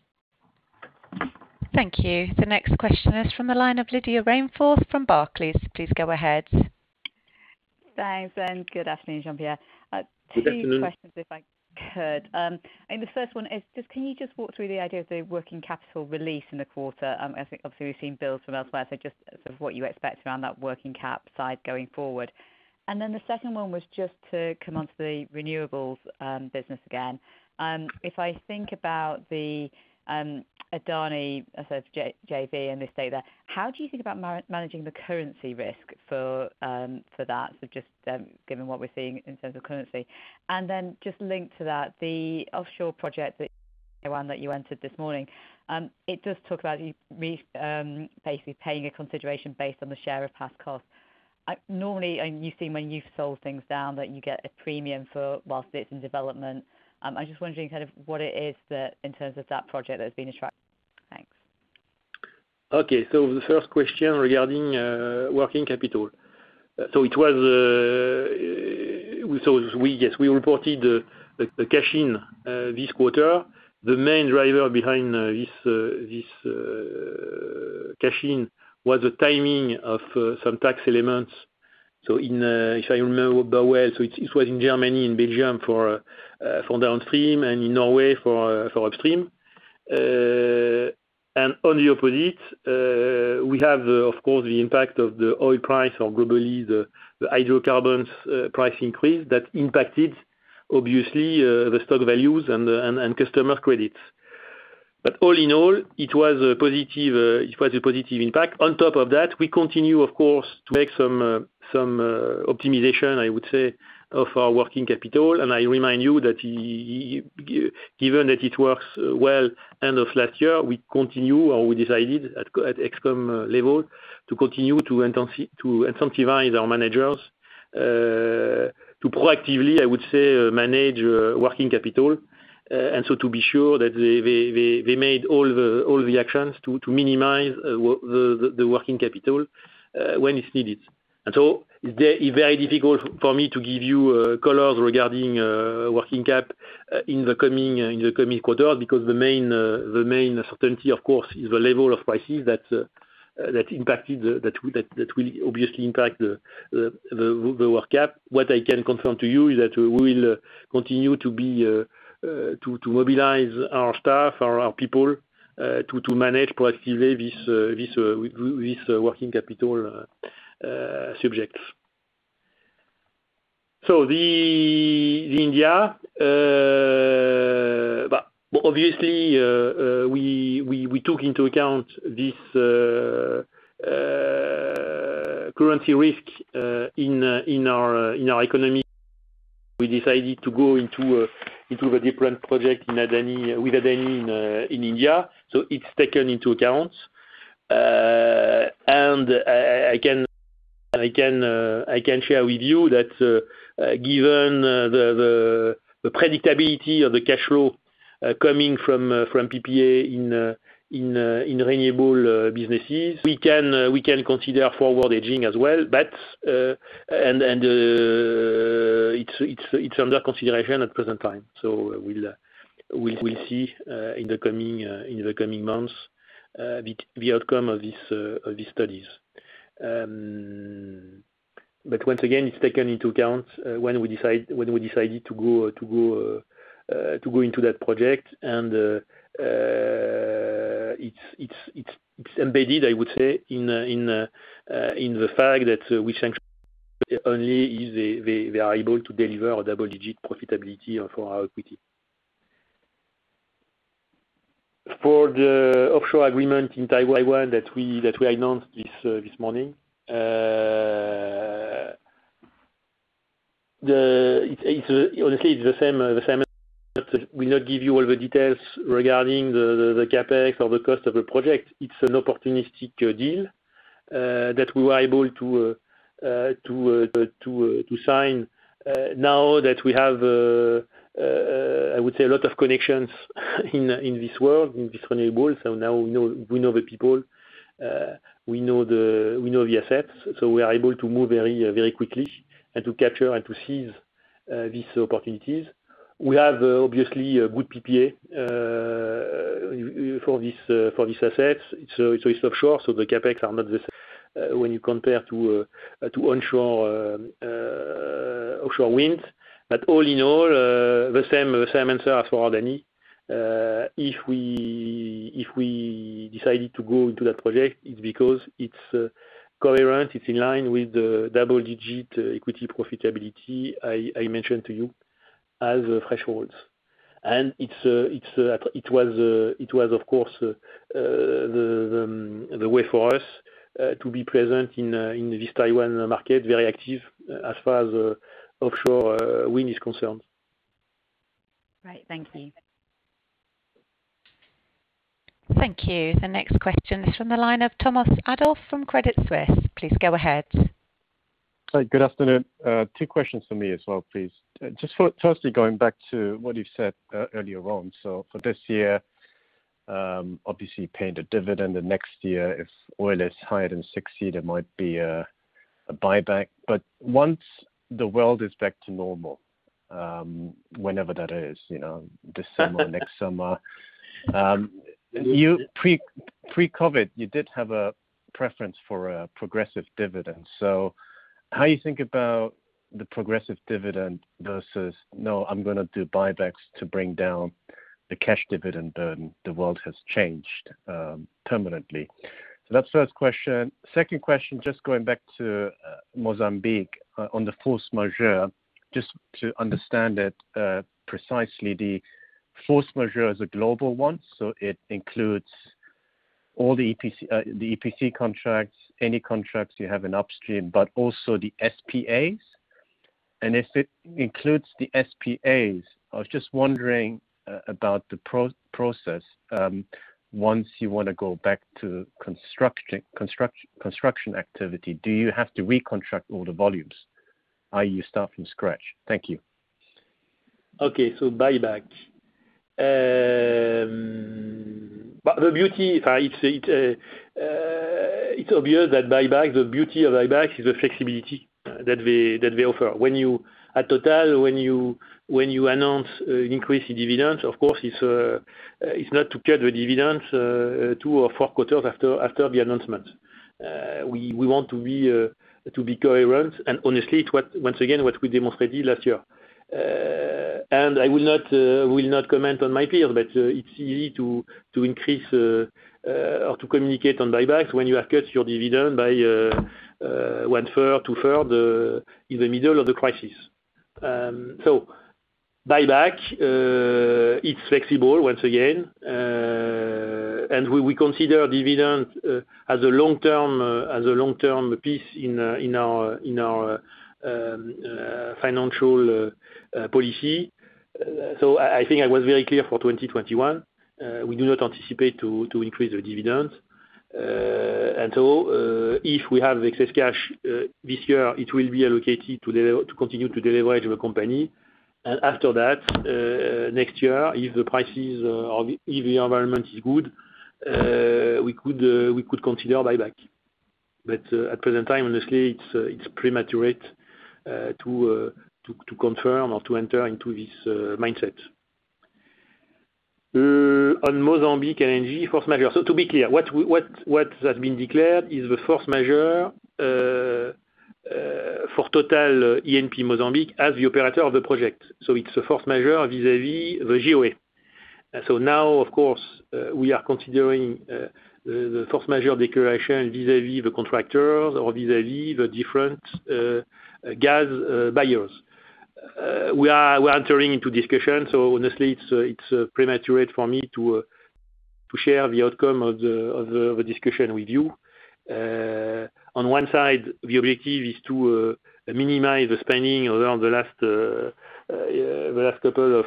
Thank you. The next question is from the line of Lydia Rainforth from Barclays. Please go ahead. Thanks, and good afternoon, Jean-Pierre. Good afternoon. Two questions, if I could. The first one is, can you just walk through the idea of the working capital release in the quarter? Obviously, we've seen bills from elsewhere, so just sort of what you expect around that working cap side going forward. The second one was just to come onto the renewables business again. If I think about the Adani JV and this data, how do you think about managing the currency risk for that? Just given what we're seeing in terms of currency. Just linked to that, the offshore project that you entered this morning. It does talk about you basically paying a consideration based on the share of past cost. Normally, you've seen when you've sold things down that you get a premium for whilst it's in development. I'm just wondering kind of what it is that in terms of that project that has been attractive? Thanks. Okay. The first question regarding working capital. We reported the cash in this quarter. The main driver behind this cash in was the timing of some tax elements. If I remember well, it was in Germany and Belgium for downstream, and in Norway for upstream. On the opposite, we have, of course, the impact of the oil price or globally the hydrocarbons price increase that impacted, obviously, the stock values and customer credits. All in all, it was a positive impact. On top of that, we continue, of course, to make some optimization, I would say, of our working capital. I remind you that given that it works well end of last year, we continue or we decided at Excom level to continue to incentivize our managers to proactively manage working capital. To be sure that they made all the actions to minimize the working capital when it's needed. It's very difficult for me to give you colors regarding working cap in the coming quarter because the main certainty, of course, is the level of prices that will obviously impact the work cap. What I can confirm to you is that we will continue to mobilize our staff, our people, to manage proactively this working capital subject. The India. Obviously, we took into account this currency risk in our economy. We decided to go into a different project with Adani in India. It's taken into account. I can share with you that given the predictability of the cash flow coming from PPA in renewable businesses, we can consider forward hedging as well, and it's under consideration at present time. We'll see in the coming months the outcome of these studies. Once again, it's taken into account when we decided to go into that project. It's embedded, I would say, in the fact that we sanction only if they are able to deliver a double-digit profitability for our equity. For the offshore agreement in Taiwan that we announced this morning. Honestly, it's the same. We not give you all the details regarding the CapEx or the cost of the project. It's an opportunistic deal that we were able to sign now that we have, I would say, a lot of connections in this world, in this renewable. Now we know the people, we know the assets. We are able to move very quickly and to capture and to seize these opportunities. We have, obviously, a good PPA for these assets. It's offshore, the CapEx are not the same when you compare to onshore wind. All in all, the same answer as for Adani. If we decided to go into that project, it's because it's coherent, it's in line with the double-digit equity profitability I mentioned to you as thresholds. It was, of course, the way for us to be present in this Taiwan market, very active as far as offshore wind is concerned. Right. Thank you. Thank you. The next question is from the line of Thomas Adolff from Credit Suisse. Please go ahead. Hi. Good afternoon. Two questions from me as well, please. Just firstly, going back to what you said earlier on. For this year, obviously paying the dividend and next year, if oil is higher than $60, there might be a buyback. Once the world is back to normal, whenever that is, this summer, next summer. Pre-COVID, you did have a preference for a progressive dividend. How you think about the progressive dividend versus, "No, I'm going to do buybacks to bring down the cash dividend burden. The world has changed permanently." That's first question. Second question, just going back to Mozambique on the force majeure, just to understand it precisely. The force majeure is a global one, so it includes all the EPC contracts, any contracts you have in upstream, but also the SPAs? If it includes the SPAs, I was just wondering about the process. Once you want to go back to construction activity, do you have to recontract all the volumes, i.e. start from scratch? Thank you. Okay. Buyback. The beauty of buybacks is the flexibility that they offer. At Total, when you announce an increase in dividends, of course, it's not to cut the dividends two or four quarters after the announcement. We want to be coherent. Honestly, once again, what we demonstrated last year. I will not comment on my peer, but it's easy to increase or to communicate on buybacks when you have cut your dividend by 1/3, 2/3 in the middle of the crisis. Buyback, it's flexible once again. We consider dividend as a long-term piece in our financial policy. I think I was very clear for 2021. We do not anticipate to increase the dividend. If we have excess cash this year, it will be allocated to continue to deleverage the company. After that, next year, if the prices or if the environment is good, we could consider a buyback. But at present time, honestly, it's premature to confirm or to enter into this mindset. On Mozambique LNG force majeure. To be clear, what has been declared is the force majeure for Total E&P Mozambique, as the operator of the project. Now, of course, we are considering the force majeure declaration vis-à-vis the contractors or vis-à-vis the different gas buyers. We are entering into discussions, so honestly, it's premature for me to share the outcome of the discussion with you. On one side, the objective is to minimize the spending around the last couple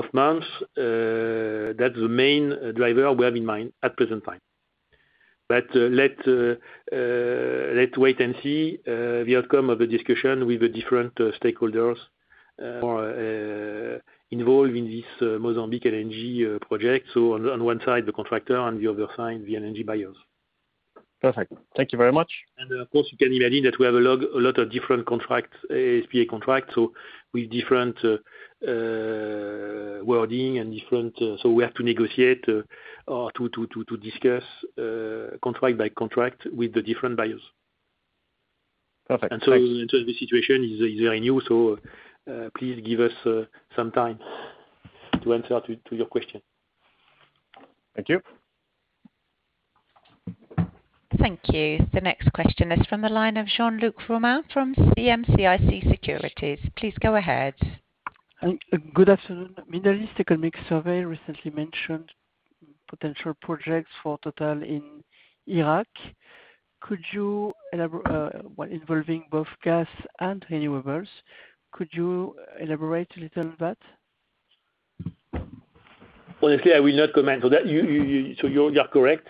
of months. That's the main driver we have in mind at present time. Let wait and see the outcome of the discussion with the different stakeholders who are involved in this Mozambique LNG project. On one side, the contractor, on the other side, the LNG buyers. Perfect. Thank you very much. Of course, you can imagine that we have a lot of different SPA contracts, so with different wording. We have to negotiate or to discuss contract by contract with the different buyers. Perfect. Thanks. This situation is very new, so please give us some time to answer to your question. Thank you. Thank you. The next question is from the line of Jean-Luc Romain from CM-CIC Securities. Please go ahead. Good afternoon. Middle East Economic Survey recently mentioned potential projects for Total in Iraq. Involving both gas and renewables. Could you elaborate a little on that? Honestly, I will not comment on that. You are correct.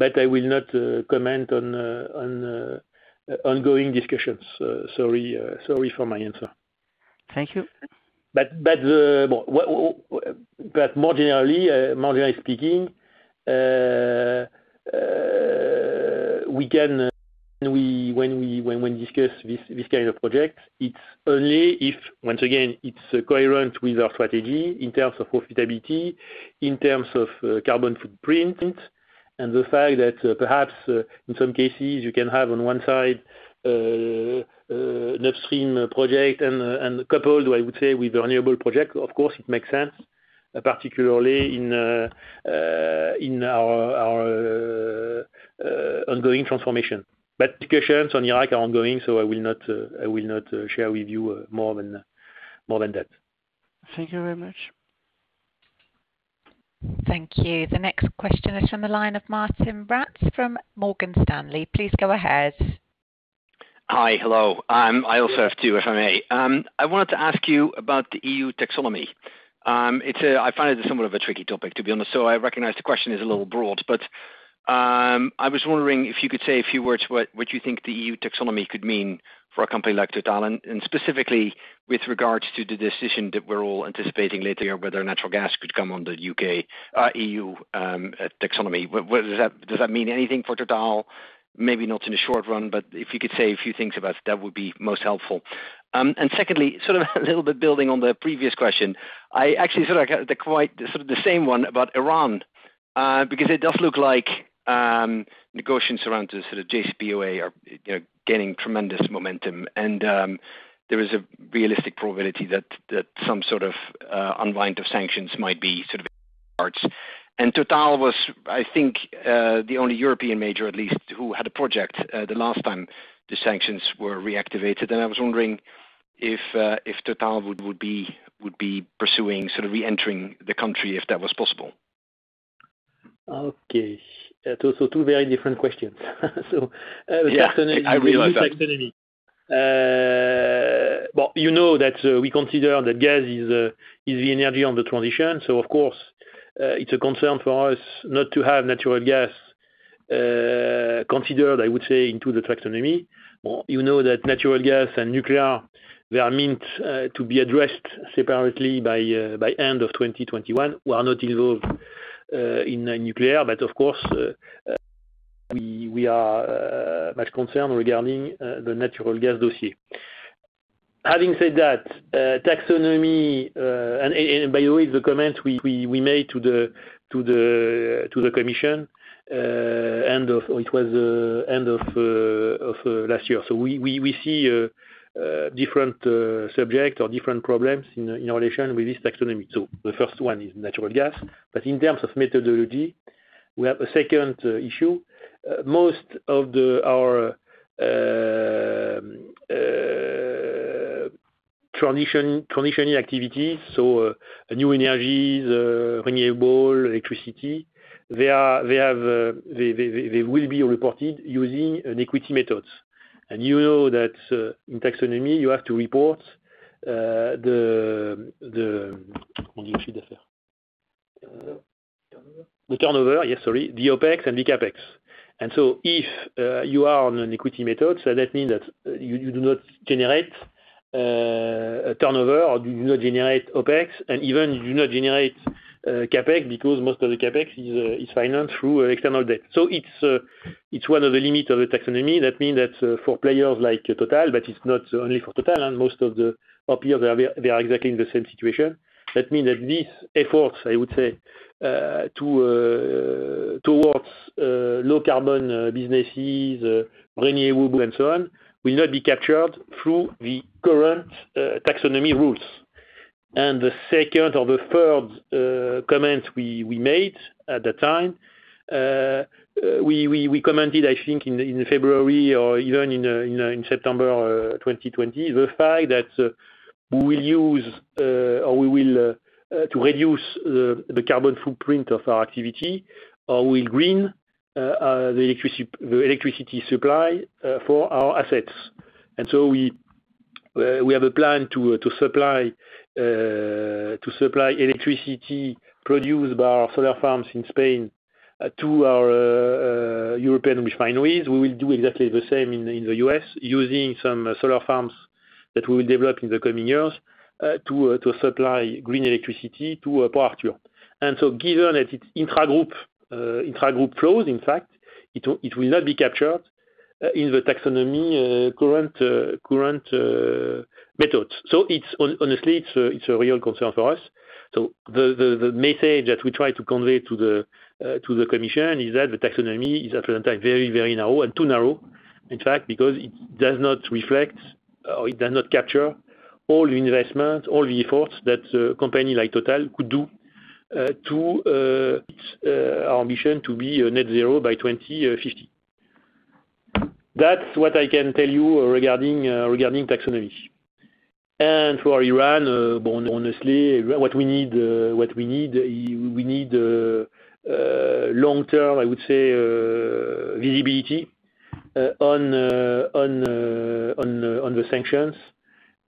I will not comment on ongoing discussions. Sorry for my answer. Thank you. More generally speaking, when we discuss this kind of project, it's only if, once again, it's coherent with our strategy in terms of profitability, in terms of carbon footprint, and the fact that perhaps, in some cases, you can have on one side an upstream project and coupled, I would say, with a renewable project. Of course, it makes sense, particularly in our ongoing transformation. Discussions on Iraq are ongoing, so I will not share with you more than that. Thank you very much. Thank you. The next question is from the line of Martijn Rats from Morgan Stanley. Please go ahead. Hi. Hello. I also have two, if I may. I wanted to ask you about the EU taxonomy. I find it somewhat of a tricky topic, to be honest, so I recognize the question is a little broad, but, I was wondering if you could say a few words what you think the EU taxonomy could mean for a company like Total. Specifically with regards to the decision that we're all anticipating later, whether natural gas could come on the EU taxonomy. Does that mean anything for Total? Maybe not in the short run, but if you could say a few things about it, that would be most helpful. Secondly, a little bit building on the previous question. I actually sort of the same one about Iran. It does look like negotiations around the JCPOA are gaining tremendous momentum and there is a realistic probability that some sort of unwind of sanctions might be sort of parts. Total was, I think, the only European major, at least, who had a project the last time the sanctions were reactivated. I was wondering if Total would be pursuing reentering the country if that was possible. Okay. Two very different questions. Yeah. I realize that. Well, you know that we consider that gas is the energy of the transition, so of course, it's a concern for us not to have natural gas considered, I would say, into the taxonomy. You know that natural gas and nuclear, they are meant to be addressed separately by end of 2021. We are not involved in nuclear, but of course, we are much concerned regarding the natural gas dossier. Having said that, taxonomy, and by the way, the comments we made to the Commission, it was end of last year. We see different subject or different problems in relation with this taxonomy. The first one is natural gas, but in terms of methodology, we have a second issue. Most of our transition activity, new energies, renewable electricity, they will be reported using an equity method. You know that in taxonomy, you have to report the- Turnover. The turnover, yes. Sorry. The OpEx and the CapEx. If you are on an equity method, so that means that you do not generate a turnover or you do not generate OpEx, and even you do not generate CapEx because most of the CapEx is financed through external debt. It's one of the limits of the taxonomy. That means that for players like Total, but it's not only for Total, and most of the, [of where] they are exactly in the same situation. That means that these efforts, I would say, towards low carbon businesses, renewable, and so on, will not be captured through the current taxonomy rules. The second or the third comment we made at the time, we commented, I think, in February or even in September 2020, the fact that we will use to reduce the carbon footprint of our activity, or we'll green the electricity supply for our assets. We have a plan to supply electricity produced by our solar farms in Spain to our European refineries. We will do exactly the same in the U.S. using some solar farms that we will develop in the coming years, to supply green electricity to a Port Arthur. Given that it's intra-group flows, in fact, it will not be captured in the taxonomy current methods. Honestly, it's a real concern for us. The message that we try to convey to the commission is that the taxonomy is at the time very narrow and too narrow, in fact, because it does not reflect or it does not capture all the investments, all the efforts that a company like Total could do to our ambition to be net zero by 2050. That's what I can tell you regarding taxonomy. For Iran, honestly, what we need, we need long-term, I would say, visibility on the sanctions,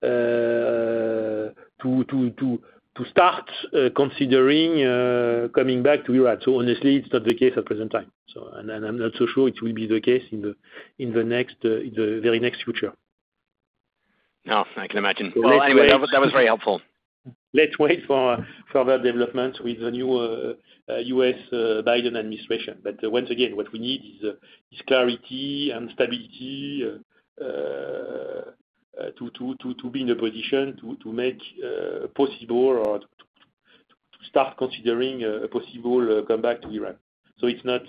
to start considering coming back to Iran. Honestly, it's not the case at present time. I'm not so sure it will be the case in the very next future. No, I can imagine. That was very helpful. Let's wait for further development with the new U.S. Biden administration. Once again, what we need is clarity and stability to be in a position to make possible or to start considering a possible comeback to Iraq. It's not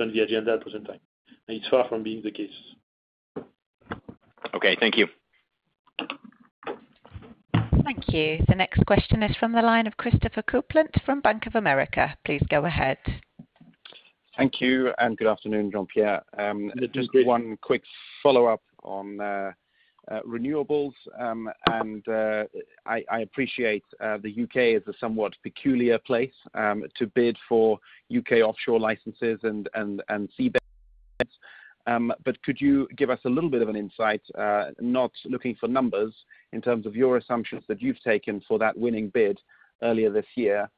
on the agenda at present time, and it's far from being the case. Okay. Thank you. Thank you. The next question is from the line of Christopher Kuplent from Bank of America. Please go ahead. Thank you, and good afternoon, Jean-Pierre. Good afternoon. Just one quick follow-up on renewables. I appreciate the U.K. is a somewhat peculiar place to bid for U.K. offshore licenses and seabed. Could you give us a little bit of an insight, not looking for numbers, in terms of your assumptions that you've taken for that winning bid earlier this year?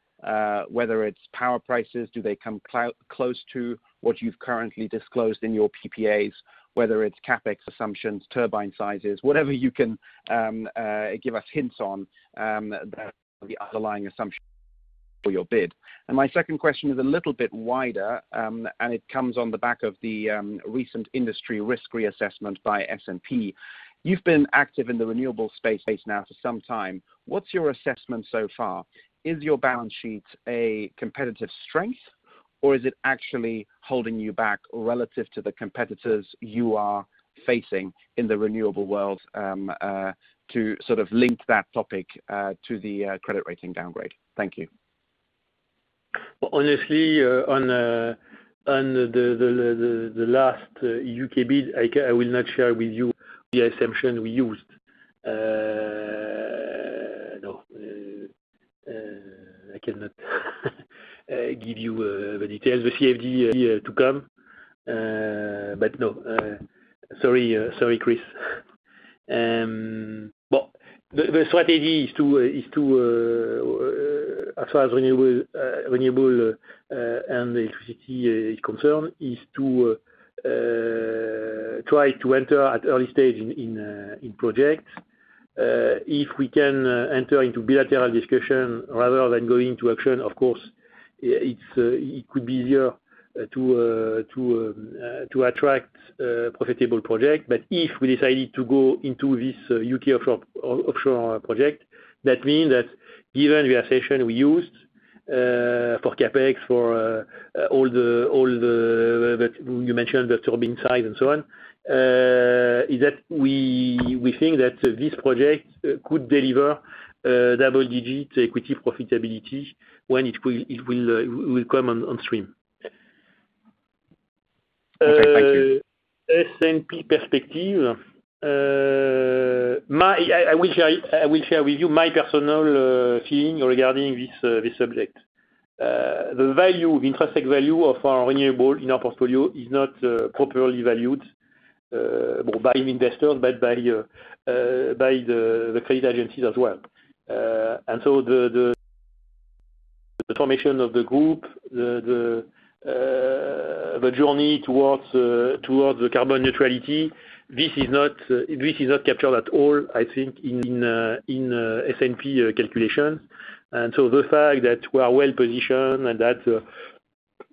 Whether it's power prices, do they come close to what you've currently disclosed in your PPAs? Whether it's CapEx assumptions, turbine sizes, whatever you can give us hints on the underlying assumptions for your bid. My second question is a little bit wider, and it comes on the back of the recent industry risk reassessment by S&P. You've been active in the renewable space now for some time. What's your assessment so far? Is your balance sheet a competitive strength, or is it actually holding you back relative to the competitors you are facing in the renewable world, to sort of link that topic to the credit rating downgrade? Thank you. Honestly, on the last U.K. bid, I will not share with you the assumption we used. No. I cannot give you the details, the CFD to come. No. Sorry, Chris. The strategy as far as renewable and electricity is concerned, is to try to enter at early stage in project. If we can enter into bilateral discussion rather than going to auction, of course, it could be easier to attract profitable project. If we decided to go into this U.K. offshore project, that mean that given the assessment we used, for CapEx, for all that you mentioned, the turbine size and so on, is that we think that this project could deliver double-digit equity profitability when it will come on stream. Okay. Thank you. S&P perspective. I will share with you my personal feeling regarding this subject. The intrinsic value of our renewable in our portfolio is not properly valued, by investor, but by the credit agencies as well. The transformation of the group, the journey towards the carbon neutrality, this is not captured at all, I think, in S&P calculation. The fact that we are well-positioned and that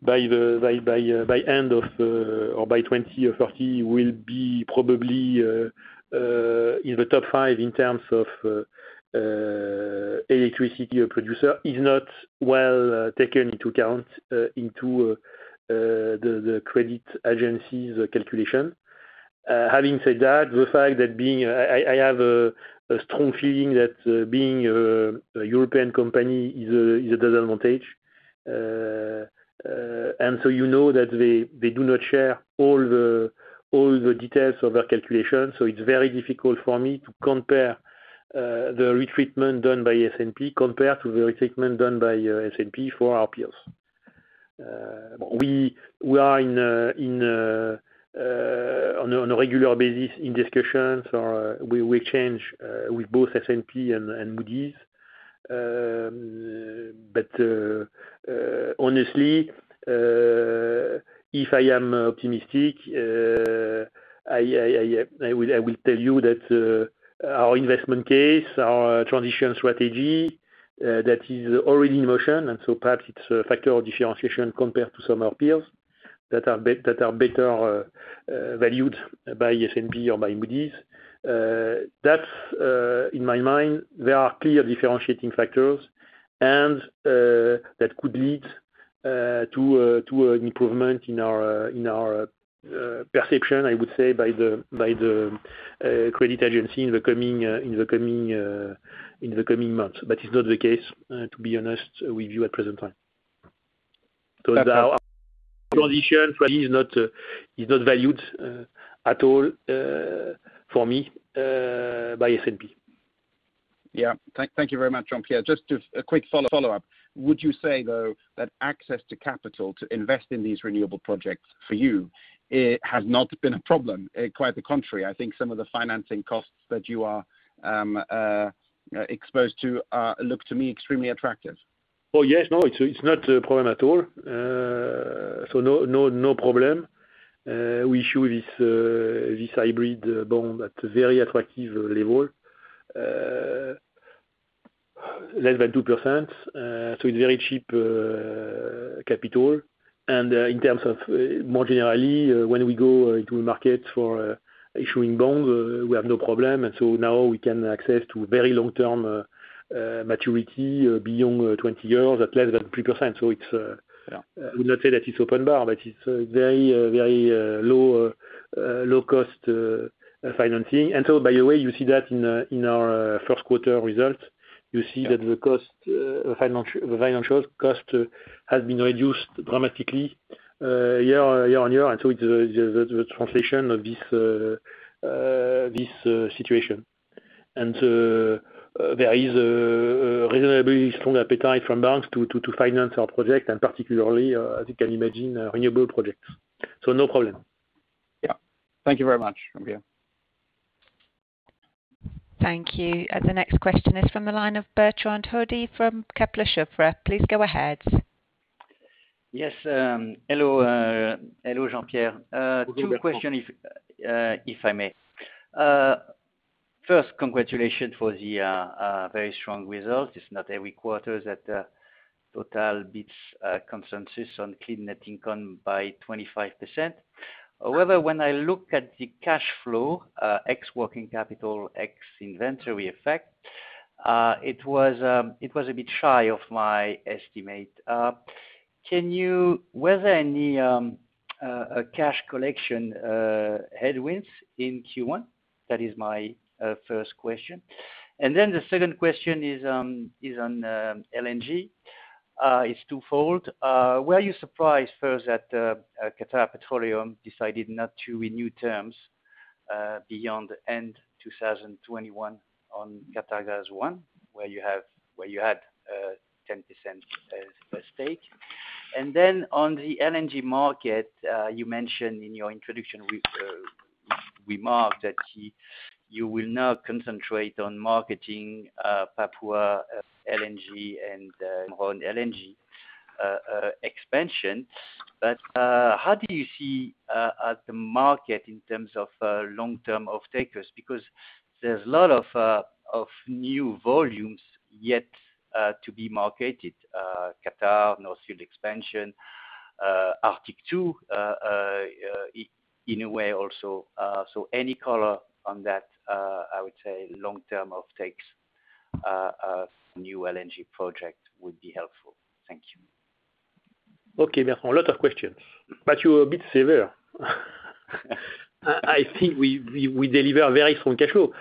by 2030, we'll be probably in the top five in terms of electricity producer is not well taken into account into the credit agencies calculation. Having said that, I have a strong feeling that being a European company is a disadvantage. You know that they do not share all the details of their calculation. It's very difficult for me to compare the risk treatment done by S&P compared to the risk treatment done by S&P for our peers. We are, on a regular basis, in discussions, or we exchange with both S&P and Moody's. Honestly, if I am optimistic, I will tell you that our investment case, our transition strategy that is already in motion, perhaps it's a factor of differentiation compared to some of our peers that are better valued by S&P or by Moody's. That's in my mind, there are clear differentiating factors and that could lead to an improvement in our perception, I would say, by the credit agency in the coming months. It's not the case, to be honest with you at present time. Transition strategy is not valued at all, for me, by S&P. Yeah. Thank you very much, Jean-Pierre. Just a quick follow-up. Would you say, though, that access to capital to invest in these renewable projects for you has not been a problem? Quite the contrary. I think some of the financing costs that you are exposed to look to me extremely attractive. Oh, yes. No, it's not a problem at all. No problem. We issue this hybrid bond at very attractive level, less than 2%. It's very cheap capital. In terms of more generally, when we go to market for issuing bonds, we have no problem. Now we can access to very long-term maturity, beyond 20 years at less than 3%. Yeah. I would not say that it's open bar, but it's very low cost financing. By the way, you see that in our first quarter result. You see that the financial cost has been reduced dramatically year-on-year. It's the translation of this situation. There is a reasonably strong appetite from banks to finance our project and particularly, as you can imagine, renewable projects. No problem. Yeah. Thank you very much, Jean-Pierre. Thank you. The next question is from the line of Bertrand Hodee from Kepler Cheuvreux. Please go ahead. Yes. Hello, Jean-Pierre. Hello, Bertrand. Two questions, if I may. First, congratulations for the very strong results. It's not every quarter that TotalEnergies beats consensus on clean net income by 25%. However, when I look at the cash flow, ex working capital, ex inventory effect, it was a bit shy of my estimate. Were there any cash collection headwinds in Q1? That is my first question. The second question is on LNG. It's twofold. Were you surprised first that Qatar Petroleum decided not to renew terms beyond end 2021 on Qatargas 1, where you had 10% as stake? On the LNG market, you mentioned in your introduction remark that you will now concentrate on marketing Papua LNG and Cameron LNG expansion. How do you see the market in terms of long-term off-takers? There's a lot of new volumes yet to be marketed. Qatar North Field expansion, Arctic 2, in a way also. Any color on that, I would say long-term off-takes of new LNG project would be helpful. Thank you. Okay, Bertrand, a lot of questions, but you're a bit severe. I think we deliver very strong cash flow.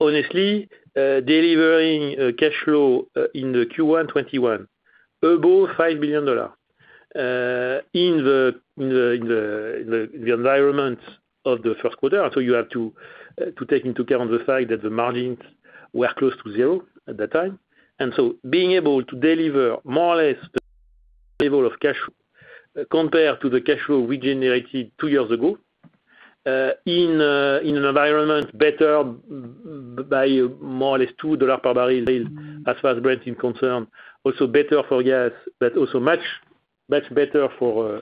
Honestly, delivering cash flow in the Q1 2021, $5 billion, in the environment of the first quarter. You have to take into account the fact that the margins were close to zero at that time. Being able to deliver more or less the level of cash flow compared to the cash flow we generated two years ago, in an environment better by more or less $2 per bbl as far as Brent is concerned, also better for gas, but also much better for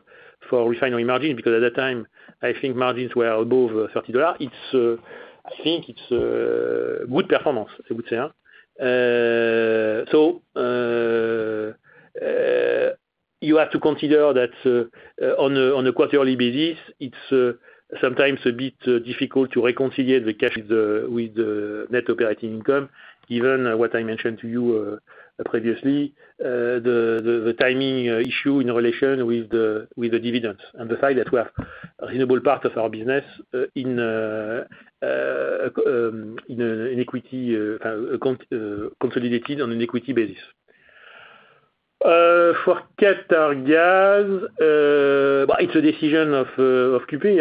refinery margin, because at that time, I think margins were above $30. I think it's a good performance, I would say. You have to consider that on a quarterly basis, it's sometimes a bit difficult to reconcile the cash with the net operating income, given what I mentioned to you previously, the timing issue in relation with the dividends and the fact that we have a renewable part of our business consolidated on an equity basis. For Qatargas, it's a decision of QP.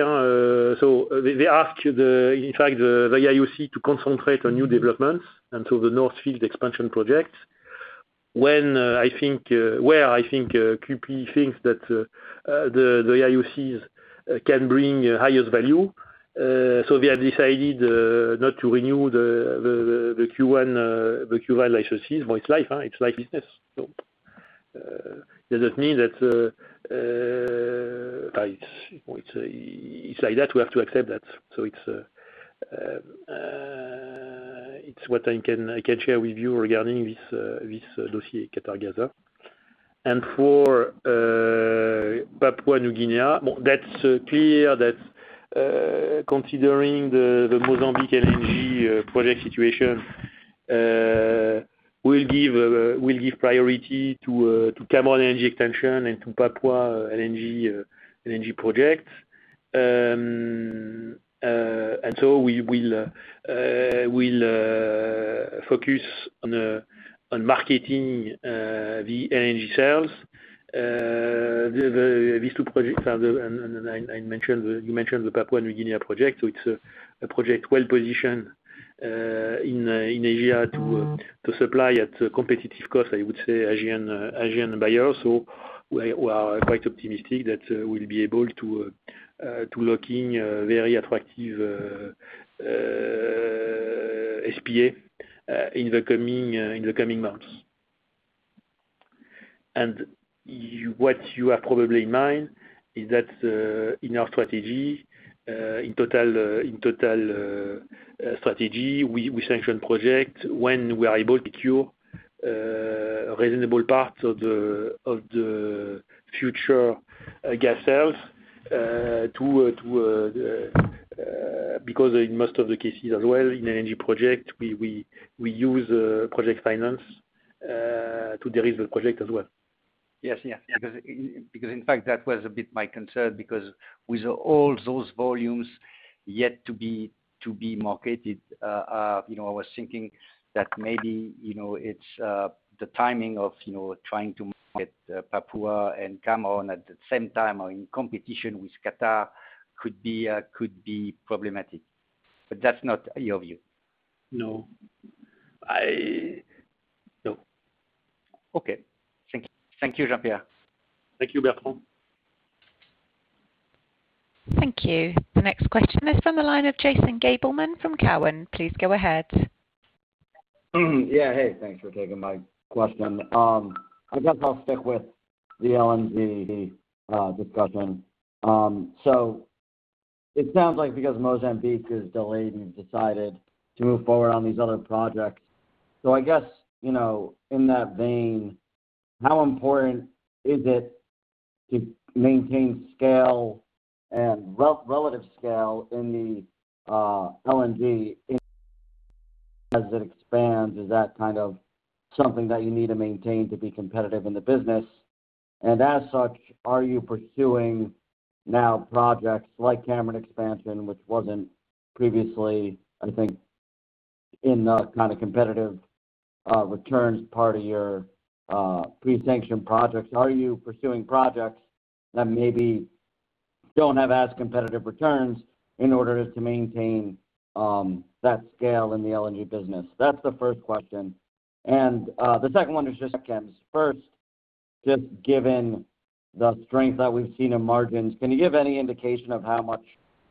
They ask, in fact, the IOC to concentrate on new developments, and the North Field expansion project where I think QP thinks that the IOCs can bring highest value. They have decided not to renew the QG1 licenses. It's life. It's like business. It's like that. We have to accept that. It's what I can share with you regarding this dossier, Qatargas. For Papua New Guinea, that's clear that considering the Mozambique LNG project situation, we'll give priority to Cameron LNG extension and to Papua LNG project. We'll focus on marketing the LNG sales. These two projects are, and you mentioned the Papua New Guinea project, so it's a project well-positioned in Asia to supply at competitive cost, I would say, Asian buyers. We are quite optimistic that we'll be able to lock in very attractive SPA in the coming months. What you have probably in mind is that in our strategy, in Total strategy, we sanction project when we are able to secure a reasonable part of the future gas sales because in most of the cases as well, in LNG project, we use project finance to deliver the project as well. Yes. In fact, that was a bit my concern, because with all those volumes yet to be marketed, I was thinking that maybe it's the timing of trying to market Papua and Cameron at the same time or in competition with Qatar could be problematic. That's not your view. No. Okay. Thank you, Jean-Pierre. Thank you, Bertrand. Thank you. The next question is from the line of Jason Gabelman from Cowen. Please go ahead. Yeah. Hey, thanks for taking my question. I guess I'll stick with the LNG discussion. It sounds like because Mozambique is delayed, you've decided to move forward on these other projects. I guess, in that vein, how important is it to maintain scale and relative scale in the LNG as it expands? Is that something that you need to maintain to be competitive in the business? As such, are you pursuing now projects like Cameron expansion, which wasn't previously, I think, in the kind of competitive returns part of your pre-sanction projects? Are you pursuing projects that maybe don't have as competitive returns in order to maintain that scale in the LNG business? That's the first question. The second one is just chems. Just given the strength that we've seen in margins, can you give any indication of how much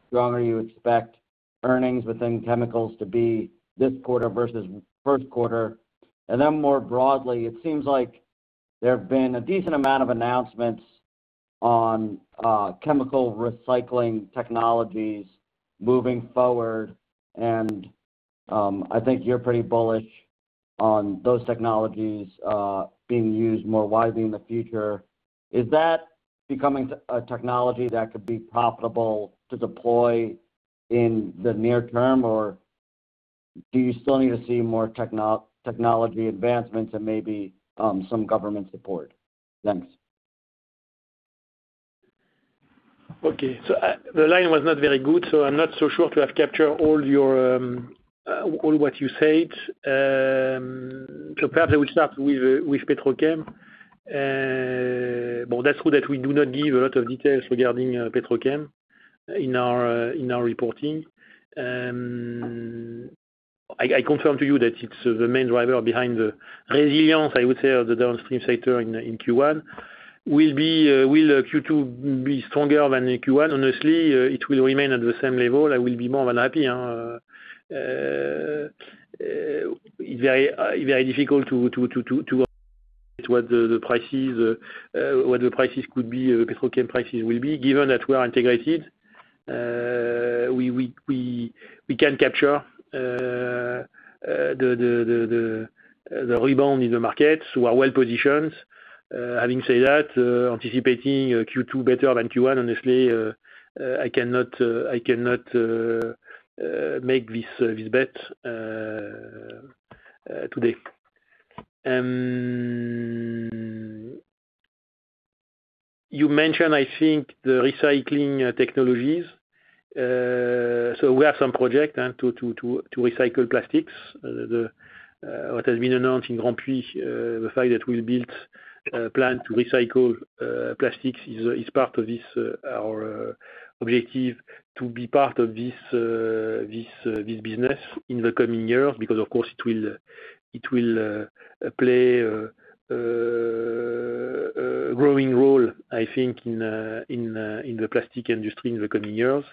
stronger you expect earnings within Chemicals to be this quarter versus first quarter? More broadly, it seems like there have been a decent amount of announcements on chemical recycling technologies moving forward, and I think you're pretty bullish on those technologies being used more widely in the future. Is that becoming a technology that could be profitable to deploy in the near term, or do you still need to see more technology advancements and maybe some government support? Thanks. Okay. The line was not very good, so I'm not so sure to have captured all what you said. Perhaps I will start with Petrochem. That's true that we do not give a lot of details regarding Petrochem in our reporting. I confirm to you that it's the main driver behind the resilience, I would say, of the downstream sector in Q1. Will Q2 be stronger than Q1? Honestly, it will remain at the same level, I will be more than happy. It's very difficult to what the prices could be, Petrochem prices will be. Given that we are integrated, we can capture the rebound in the market. We are well-positioned. Having said that, anticipating a Q2 better than Q1, honestly, I cannot make this bet today. You mentioned, I think, the recycling technologies. We have some project to recycle plastics. What has been announced in Grandpuits, the fact that we'll build a plant to recycle plastics is part of our objective to be part of this business in the coming years because, of course, it will play a growing role, I think, in the plastic industry in the coming years.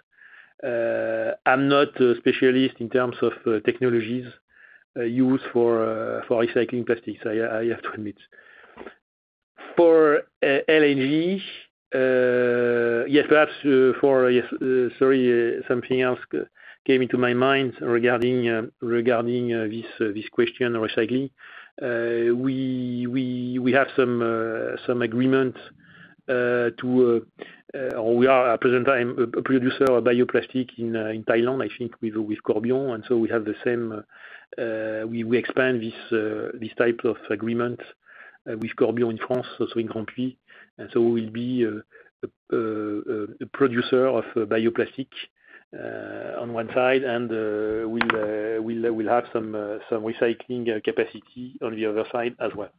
I'm not a specialist in terms of technologies used for recycling plastics, I have to admit. For LNG, yes, perhaps for, sorry, something else came into my mind regarding this question, recycling. We have some agreement to, or we are at present time, a producer of bioplastic in Thailand, I think with Corbion, and so we expand this type of agreement with Corbion in France, also in Grandpuits. We'll be a producer of bioplastic on one side and we'll have some recycling capacity on the other side as well.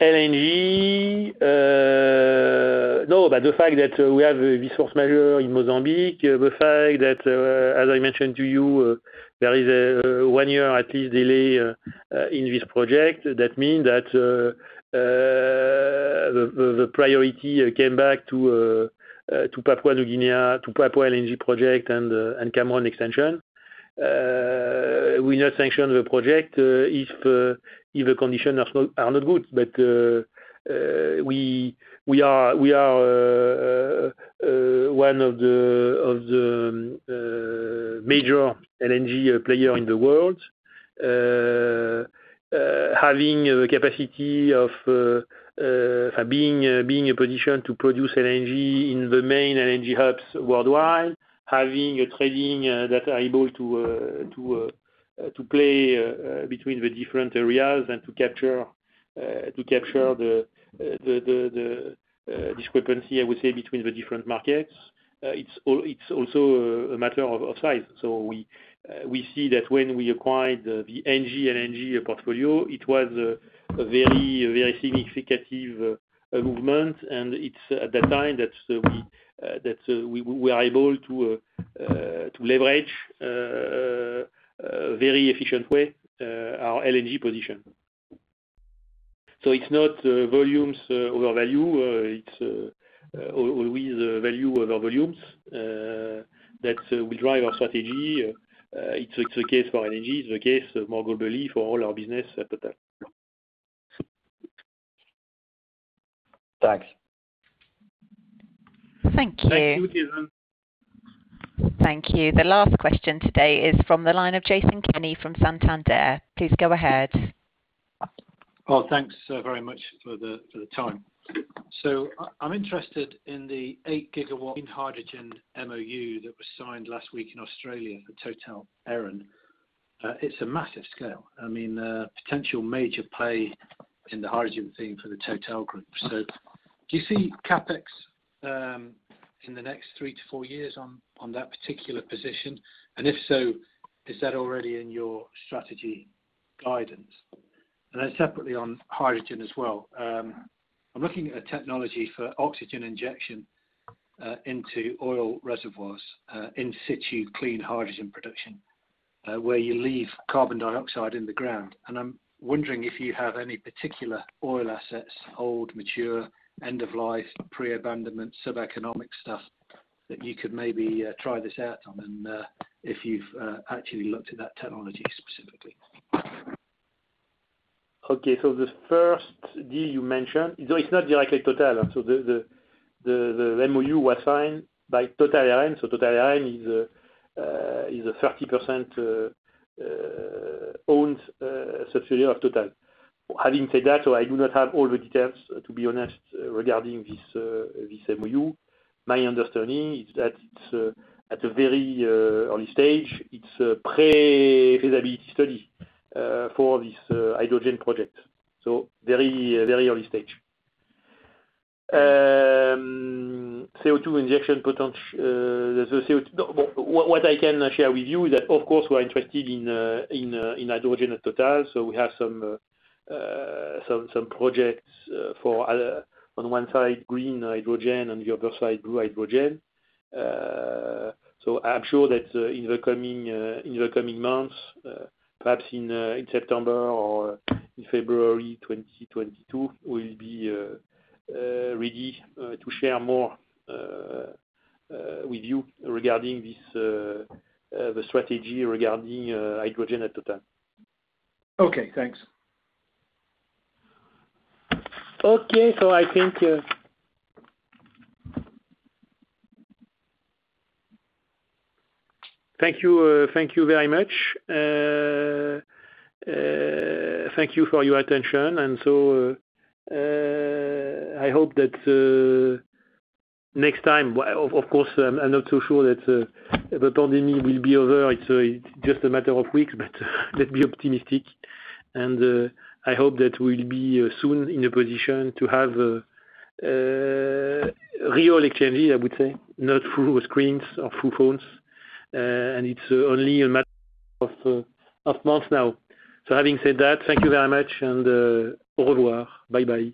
LNG, no. The fact that we have a force majeure in Mozambique, the fact that, as I mentioned to you, there is a one year at least delay in this project. That means that the priority came back to Papua New Guinea, to Papua LNG project and Cameron extension. We do not sanction the project if the conditions are not good. We are one of the major LNG player in the world, having a capacity of being in a position to produce LNG in the main LNG hubs worldwide, having a trading that is able to play between the different areas and to capture the discrepancy, I would say, between the different markets. It's also a matter of size. We see that when we acquired the Engie LNG portfolio, it was a very significant movement, and it's at that time that we were able to leverage, very efficient way, our LNG position. It's not volumes over value. It's always value over volumes that will drive our strategy. It's the case for LNG, it's the case more globally for all our business at Total. Thanks. Thank you. Thank you, Jason. Thank you. The last question today is from the line of Jason Kenney from Santander. Please go ahead. Oh, thanks very much for the time. I'm interested in the 8 GW green hydrogen MOU that was signed last week in Australia for Total Eren. It's a massive scale. Potential major play in the hydrogen theme for the Total group. Do you see CapEx in the next three, four years on that particular position? If so, is that already in your strategy guidance? Separately on hydrogen as well. I'm looking at a technology for oxygen injection into oil reservoirs, in situ clean hydrogen production, where you leave carbon dioxide in the ground. I'm wondering if you have any particular oil assets, old, mature, end of life, pre-abandonment, sub-economic stuff that you could maybe try this out on and if you've actually looked at that technology specifically. Okay. The first deal you mentioned, it's not directly Total. The MOU was signed by Total Eren. Total Eren is a 30% owned subsidiary of Total. Having said that, I do not have all the details, to be honest, regarding this MOU. My understanding is that it's at a very early stage. It's a pre-feasibility study for this hydrogen project. Very early stage. CO2 injection potential. What I can share with you is that, of course, we're interested in hydrogen at Total. We have some projects for, on one side, green hydrogen, on the other side, blue hydrogen. I'm sure that in the coming months, perhaps in September or in February 2022, we'll be ready to share more with you regarding the strategy regarding hydrogen at Total. Okay, thanks. Okay, I think, thank you. Thank you very much. Thank you for your attention. I hope that, next time, of course, I'm not so sure that the pandemic will be over. It's just a matter of weeks, but let's be optimistic. I hope that we'll be soon in a position to have real exchanges, I would say, not through screens or through phones. It's only a matter of months now. Having said that, thank you very much, and au revoir. Bye-bye